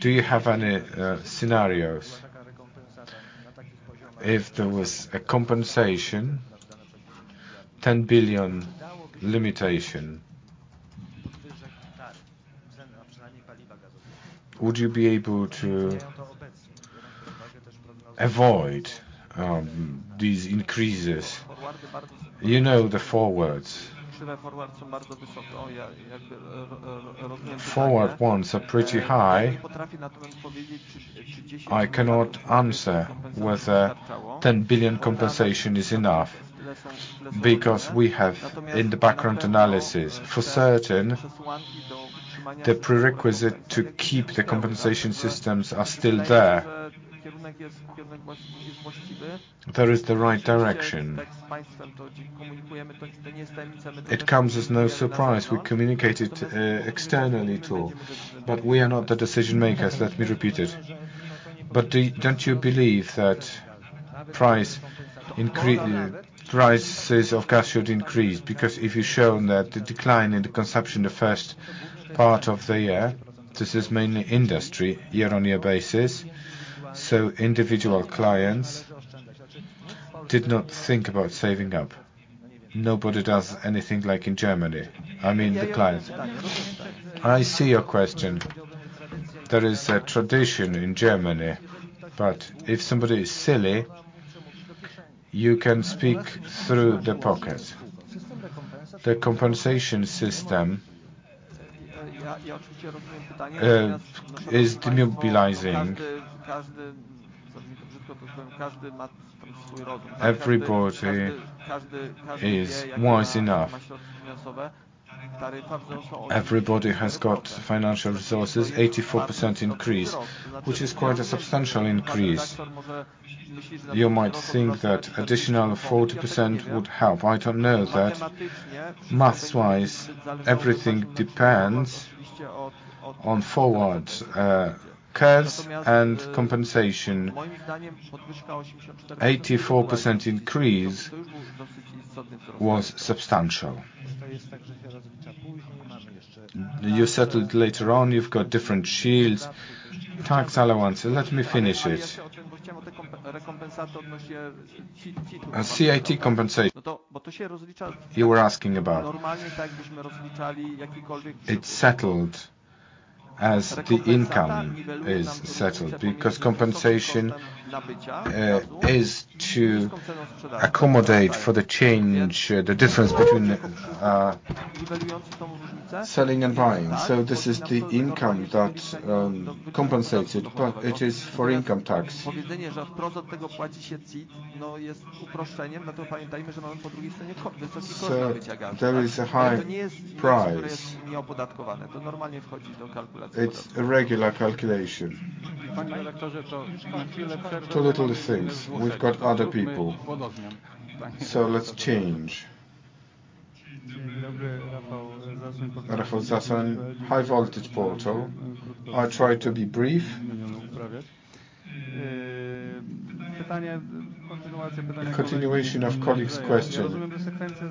Do you have any scenarios? If there was a compensation, PLN 10 billion limitation, would you be able to avoid these increases? You know, the forwards. Forward ones are pretty high. I cannot answer whether 10 billion compensation is enough because we have in the background analysis. For certain, the prerequisite to keep the compensation systems are still there. There is the right direction. It comes as no surprise. We communicate it externally too, but we are not the decision makers, let me repeat it. Don't you believe that prices of gas should increase? Because if you've shown that the decline in the consumption the first part of the year, this is mainly industry year-on-year basis, so individual clients did not think about saving up. Nobody does anything like in Germany. I mean, the clients. I see your question. There is a tradition in Germany, but if somebody is silly, you can speak through the pockets. The compensation system is demobilizing. Everybody is wise enough. Everybody has got financial resources. 84% increase, which is quite a substantial increase. You might think that additional 40% would help. I don't know that. Math-wise, everything depends on forwards, curves and compensation. 84% increase was substantial. You settle it later on. You've got different shields, tax allowances. Let me finish it. CIT compensation, you were asking about. It's settled as the income is settled, because compensation is to accommodate for the change, the difference between selling and buying. So this is the income that compensates it, but it is for income tax. So there is a high price. It's a regular calculation. Two little things. We've got other people, so let's change. Rachela Zając, WysokieNapiecie.pl. I try to be brief. Continuation of colleague's question.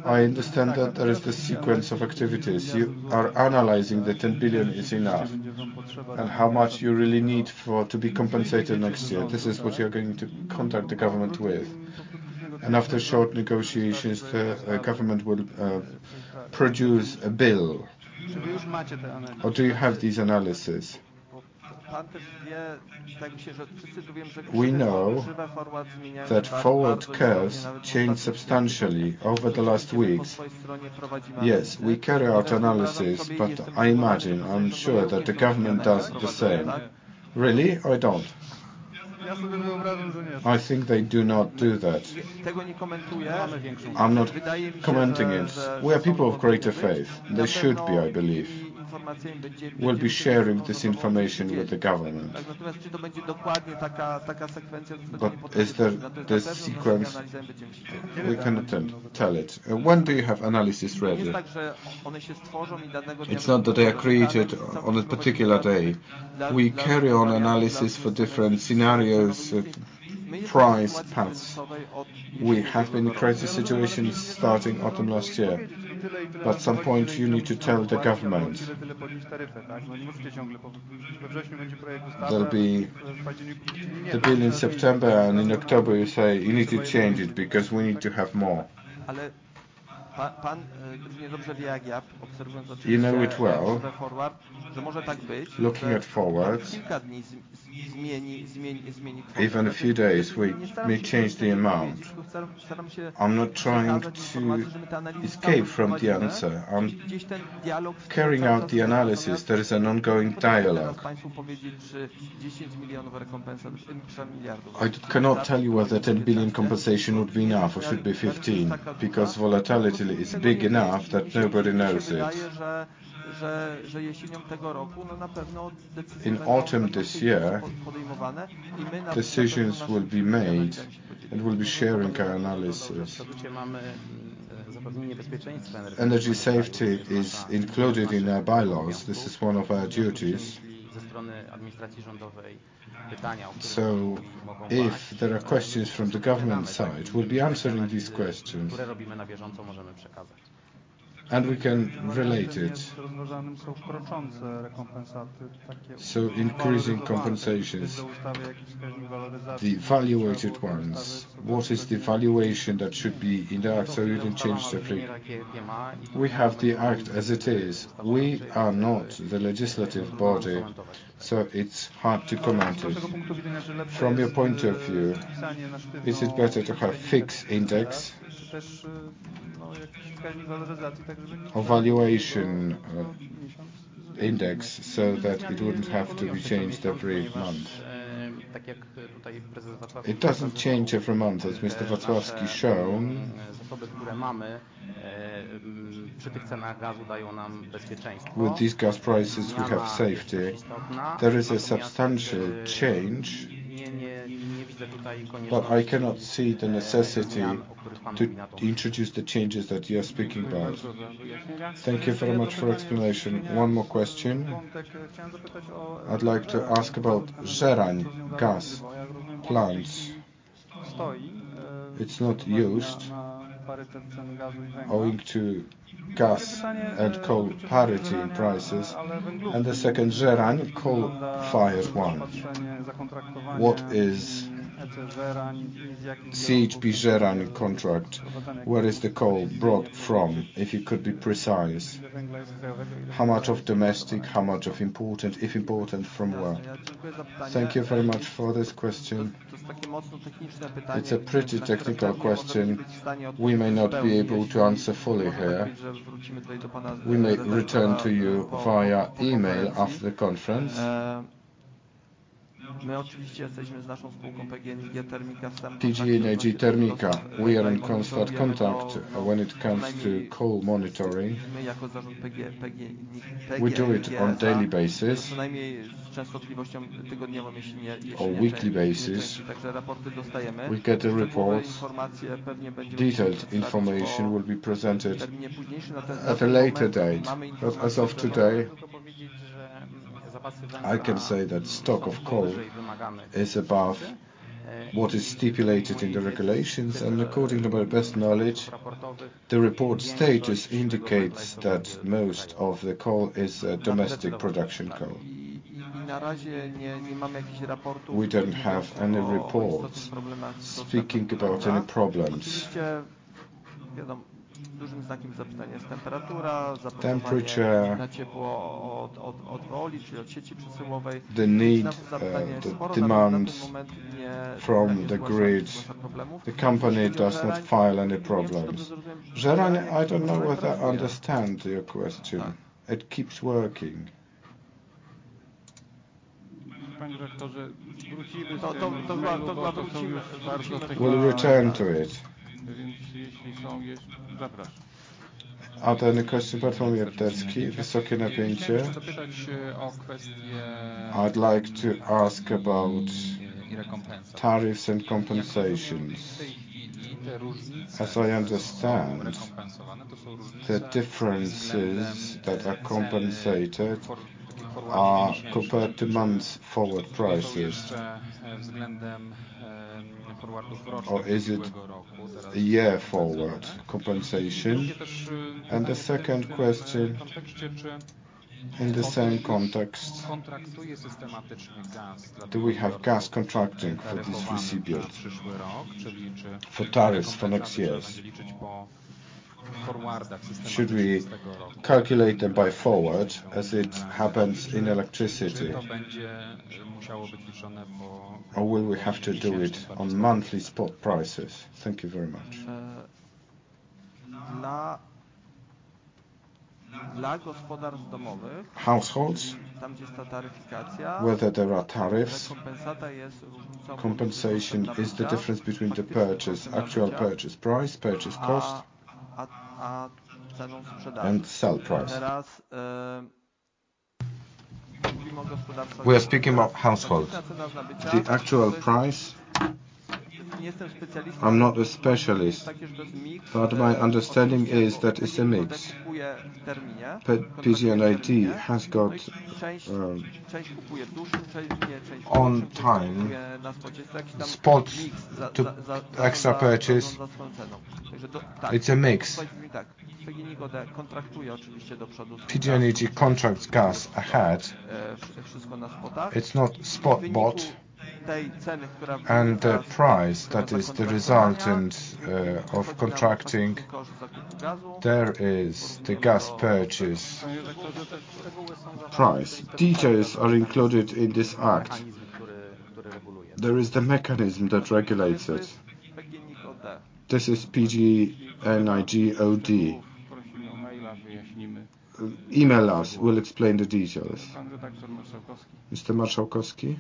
I understand that there is this sequence of activities. You are analyzing the 10 billion is enough, and how much you really need for to be compensated next year. This is what you're going to contact the government with, and after short negotiations, the government will produce a bill. Or do you have these analysis? We know that forward curves changed substantially over the last weeks. Yes, we carry out analysis, but I imagine, I'm sure that the government does the same. Really? Or don't? I think they do not do that. I'm not commenting it. We are people of greater faith. There should be, I believe. We'll be sharing this information with the government. Is there the sequence? We can tell it. When do you have analysis ready? It's not that they are created on a particular day. We carry on analysis for different scenarios of price paths. We have been in crisis situations starting autumn last year. At some point, you need to tell the government. There'll be the bill in September, and in October, you say, "You need to change it because we need to have more." You know it well. Looking at forwards, even a few days, we change the amount. I'm not trying to escape from the answer. I'm carrying out the analysis. There is an ongoing dialogue. I cannot tell you whether 10 billion compensation would be enough or should be 15 billion, because volatility is big enough that nobody knows it. In autumn this year, decisions will be made, and we'll be sharing our analysis. Energy safety is included in our bylaws. This is one of our duties. If there are questions from the government side, we'll be answering these questions. We can relate it. Increasing compensations, the evaluated ones. What is the valuation that should be in the act. We have the act as it is. We are not the legislative body, so it's hard to comment it. From your point of view, is it better to have fixed index or valuation, index, so that it wouldn't have to be changed every month? It doesn't change every month, as Mr. Wacławski shown. With these gas prices, we have safety. There is a substantial change, but I cannot see the necessity to introduce the changes that you are speaking about. Thank you very much for explanation. One more question. I'd like to ask about Żerań gas plants. It's not used owing to gas and coal parity in prices. The second, Żerań coal-fired one. What is CHP Żerań contract? Where is the coal brought from, if you could be precise? How much of domestic, how much of import, and if import, then from where? Thank you very much for this question. It's a pretty technical question. We may not be able to answer fully here. We may return to you via email after the conference. PGNiG Termika, we are in constant contact when it comes to coal monitoring. We do it on daily basis or weekly basis. We get the reports. Detailed information will be presented at a later date. As of today, I can say that stock of coal is above what is stipulated in the regulations. According to my best knowledge, the report status indicates that most of the coal is domestic production coal. We don't have any reports speaking about any problems. Temperature, the need, the demands from the grid, the company does not file any problems. Żerań, I don't know whether I understand your question. It keeps working. We'll return to it. Are there any questions? Bartłomiej Sawicki, Wysokie Napięcie. I'd like to ask about tariffs and compensations. As I understand, the differences that are compensated are compared to months forward prices. Or is it a year forward compensation? The second question, in the same context, do we have gas contracting for this receivable for tariffs for next years? Should we calculate them by forward, as it happens in electricity? Or will we have to do it on monthly spot prices? Thank you very much. For households. Households There's the tariffication. Whether there are tariffs? The compensation is the difference. Compensation is the difference between the actual purchase price and sell price. Um. We are speaking about households. The actual price, I'm not a specialist, but my understanding is that it's a mix. PGNiG has got on time spots to extra purchase. It's a mix. PGNiG contracts gas ahead. It's not spot bought. The price, that is the result in of contracting. There is the gas purchase price. Details are included in this act. There is the mechanism that regulates it. This is PGNiG OD. Email us, we'll explain the details. Mr.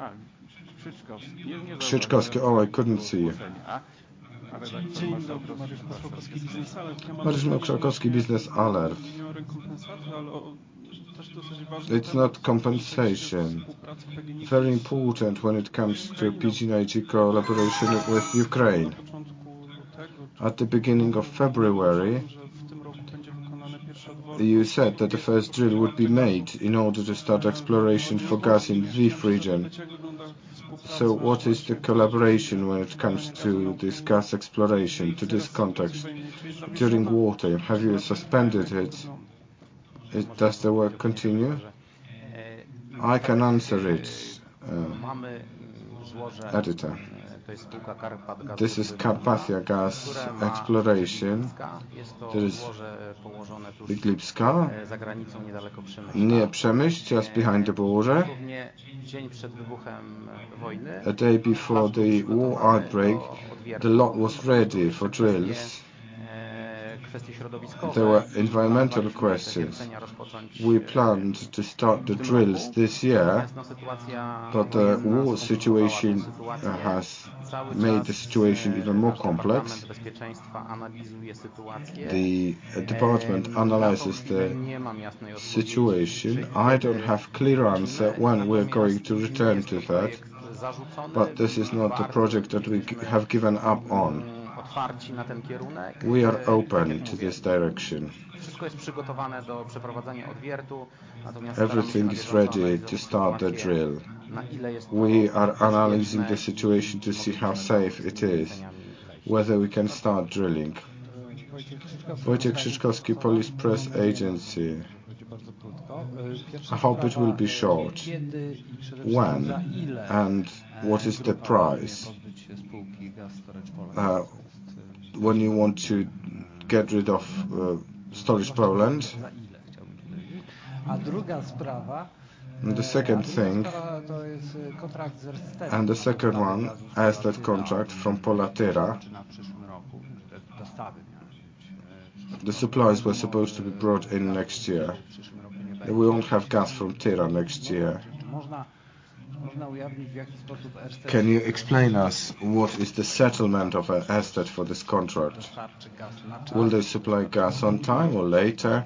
Marszalkowski. Uh. Marszalkowski. Oh, I couldn't see you. It's not compensation. Very important when it comes to PGNiG collaboration with Ukraine. At the beginning of February, you said that the first drill would be made in order to start exploration for gas in Lviv region. What is the collaboration when it comes to this gas exploration, to this context during war, have you suspended it? Does the work continue? I can answer it, editor. This is Carpathian Gas Exploration. There is Bliche-Volytsko-Uherske, near Przemyśl, just behind the border. A day before the war outbreak, the lot was ready for drills. There were environmental questions. We planned to start the drills this year, but the war situation has made the situation even more complex. The department analyzes the situation. I don't have clear answer when we're going to return to that, but this is not a project that we have given up on. We are open to this direction. Everything is ready to start the drill. We are analyzing the situation to see how safe it is, whether we can start drilling. Wojciech Jakóbik, Polish Press Agency. I hope it will be short. When, and what is the price, when you want to get rid of, Gas Storage Poland? The second thing, asset contract from Qatar. The supplies were supposed to be brought in next year. We won't have gas from Qatar next year. Can you explain us what is the settlement of an asset for this contract? Will they supply gas on time or later?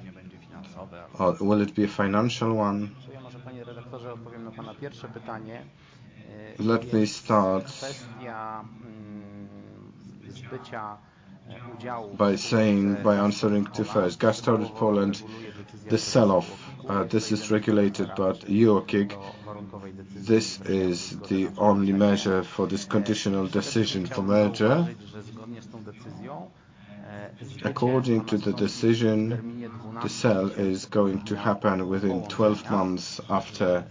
Or will it be a financial one? Let me start by answering to first. Gas Storage Poland, the sell-off, this is regulated by UOKiK. This is the only measure for this conditional decision for merger. According to the decision, the sale is going to happen within 12 months after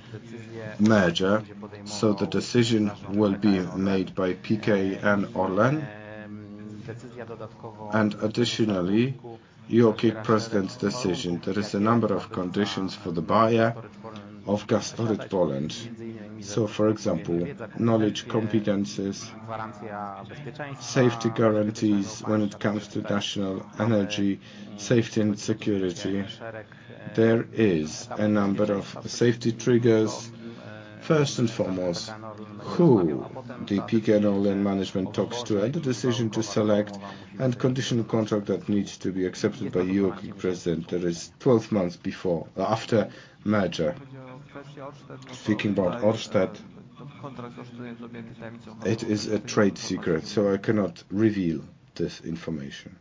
merger, so the decision will be made by PKN Orlen. Additionally, UOKiK president's decision. There is a number of conditions for the buyer of Gas Storage Poland. So for example, knowledge, competencies, safety guarantees when it comes to national energy, safety and security. There is a number of safety triggers, first and foremost, who the PKN Orlen management talks to, and the decision to select and conditional contract that needs to be accepted by UOKiK president. There is 12 months after merger. Speaking about Ørsted, it is a trade secret, so I cannot reveal this information.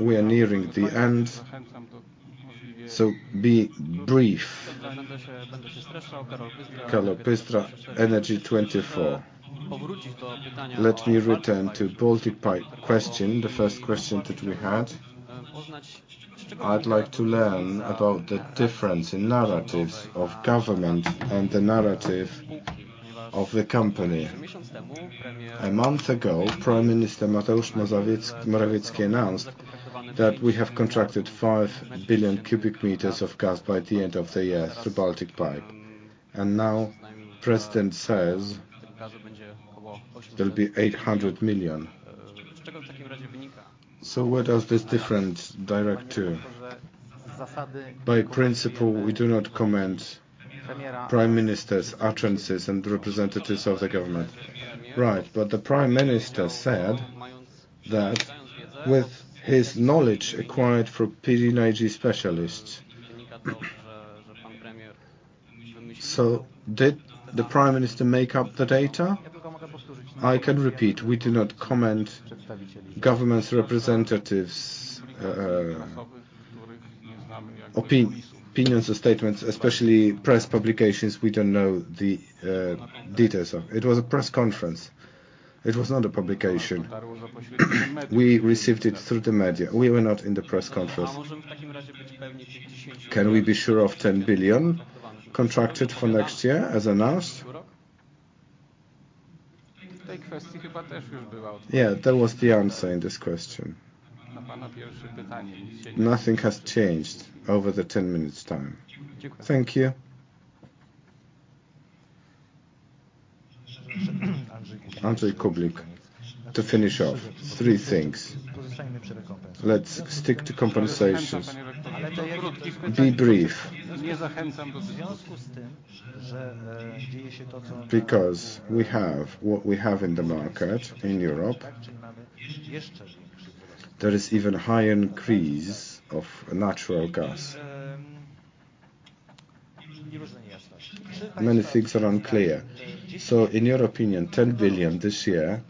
We are nearing the end, so be brief. Karol Bystra, Energetyka24. Let me return to Baltic Pipe question, the first question that we had. I'd like to learn about the difference in narratives of government and the narrative of the company. A month ago, Prime Minister Mateusz Morawiecki announced that we have contracted 5 billion cubic meters of gas by the end of the year through Baltic Pipe. Now, president says there'll be 800 million. Where does this difference direct to? By principle, we do not comment Prime Minister's utterances and representatives of the government. Right. The Prime Minister said that with his knowledge acquired through PGNiG specialists. Did the Prime Minister make up the data? I can repeat, we do not comment government's representatives' opinions or statements, especially press publications we don't know the details of. It was a press conference. It was not a publication. We received it through the media. We were not in the press conference. Can we be sure of 10 billion contracted for next year as announced? Yeah, that was the answer in this question. Nothing has changed over the 10 minutes time. Thank you. Andrzej Kublik, to finish off, three things. Let's stick to compensations. Be brief. Because we have what we have in the market in Europe. There is even a higher increase of natural gas. Many things are unclear. In your opinion, 10 billion this year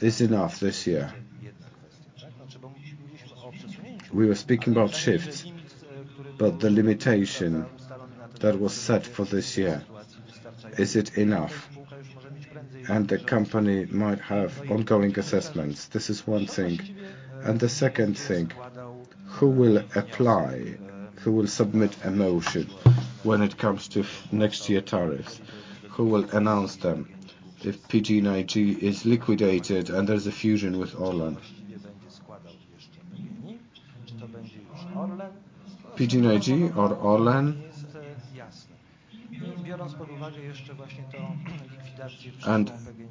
is enough this year. We were speaking about shifts, but the limitation that was set for this year, is it enough? The company might have ongoing assessments. This is one thing. The second thing, who will apply, who will submit a motion when it comes to next year tariffs? Who will announce them if PGNiG is liquidated and there's a fusion with Orlen. PGNiG or Orlen.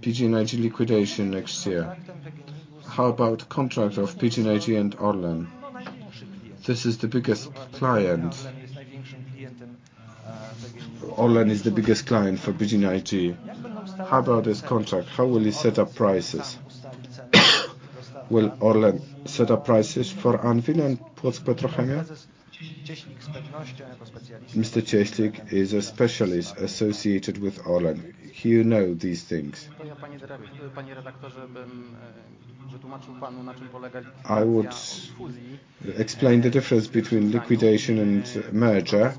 PGNiG liquidation next year. How about contract of PGNiG and Orlen? This is the biggest client. Orlen is the biggest client for PGNiG. How about this contract? How will you set up prices? Will Orlen set up prices for Anwil and ORLEN Petrochemia? Mr. Cieślik is a specialist associated with Orlen. He'll know these things. I would explain the difference between liquidation and merger.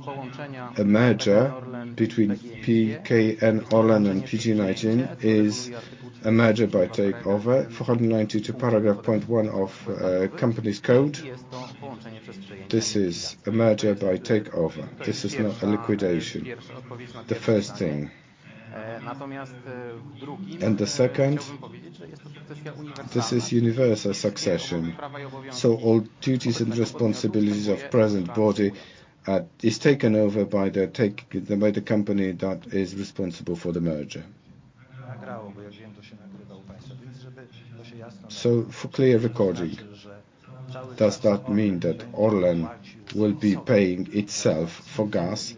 A merger between PKN Orlen and PGNiG is a merger by takeover. Article 492 §1 of the Commercial Companies Code. This is a merger by takeover. This is not a liquidation. The first thing. The second, this is universal succession. All duties and responsibilities of present body is taken over by the company that is responsible for the merger. For clear recording, does that mean that Orlen will be paying itself for gas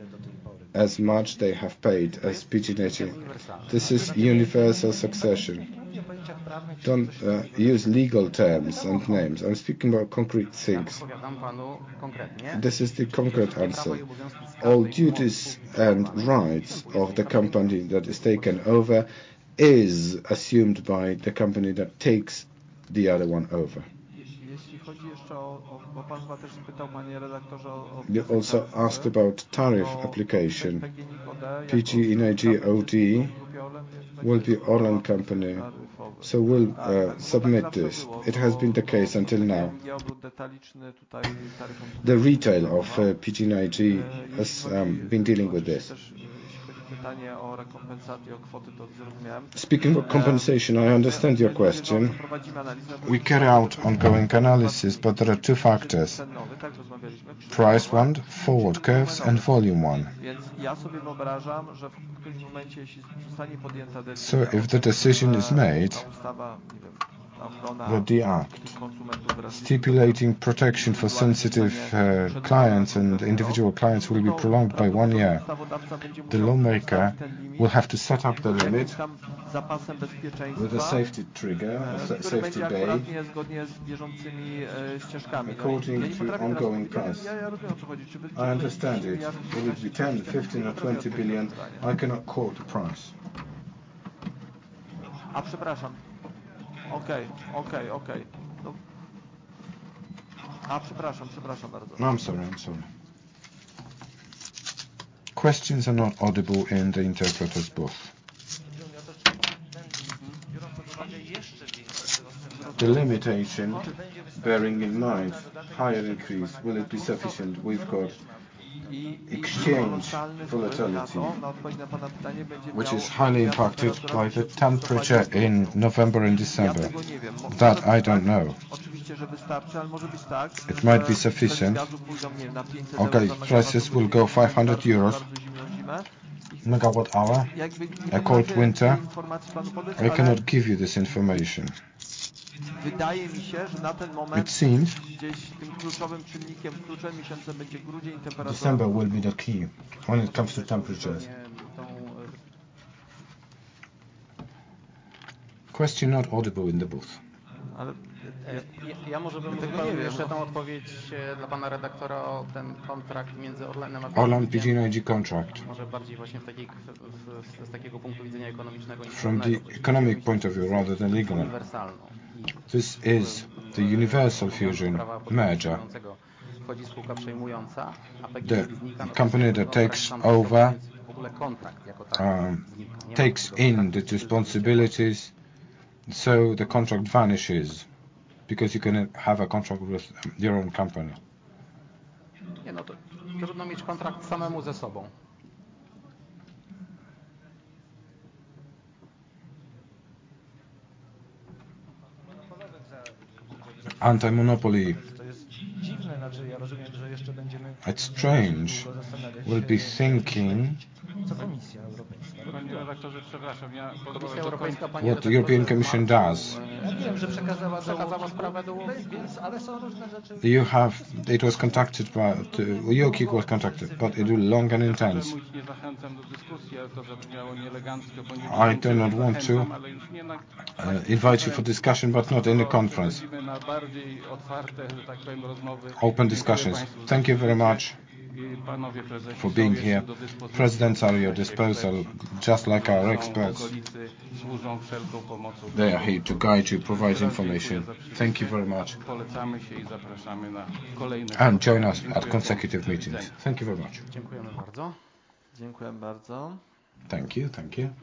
as much they have paid as PGNiG? This is universal succession. Don't use legal terms and names. I'm speaking about concrete things. This is the concrete answer. All duties and rights of the company that is taken over is assumed by the company that takes the other one over. You also asked about tariff application. PGNiG OD will be Orlen company, so we'll submit this. It has been the case until now. The retail of PGNiG has been dealing with this. Speaking of compensation, I understand your question. We carry out ongoing analysis, but there are two factors. Price one, forward curves, and volume one. If the decision is made, the DR stipulating protection for sensitive clients and individual clients will be prolonged by one year. The lawmaker will have to set up the limit with a safety trigger, a safety day, according to ongoing price. I understand it. Will it be 10 billion, 15 billion, or 20 billion? I cannot quote the price. I'm sorry. Questions are not audible in the interpreter's booth. The limitation bearing in mind higher increase, will it be sufficient? We've got exchange volatility, which is highly impacted by the temperature in November and December. That I don't know. It might be sufficient. Okay, prices will go 500 euros megawatt hour, a cold winter. I cannot give you this information. It seems December will be the key when it comes to temperatures. Question not audible in the booth. Orlen PGNiG contract. From the economic point of view rather than legal. This is the universal succession merger. The company that takes over takes in the responsibilities, so the contract vanishes because you cannot have a contract with your own company. Anti-monopoly. It's strange. We'll be thinking what the European Commission does. It was contacted by the EU, but it will be long and intense. I do not want to invite you for discussion, but not in a conference. Open discussions. Thank you very much for being here. Presidents are at your disposal, just like our experts. They are here to guide you, provide information. Thank you very much. Join us at consecutive meetings. Thank you very much. Thank you. Thank you.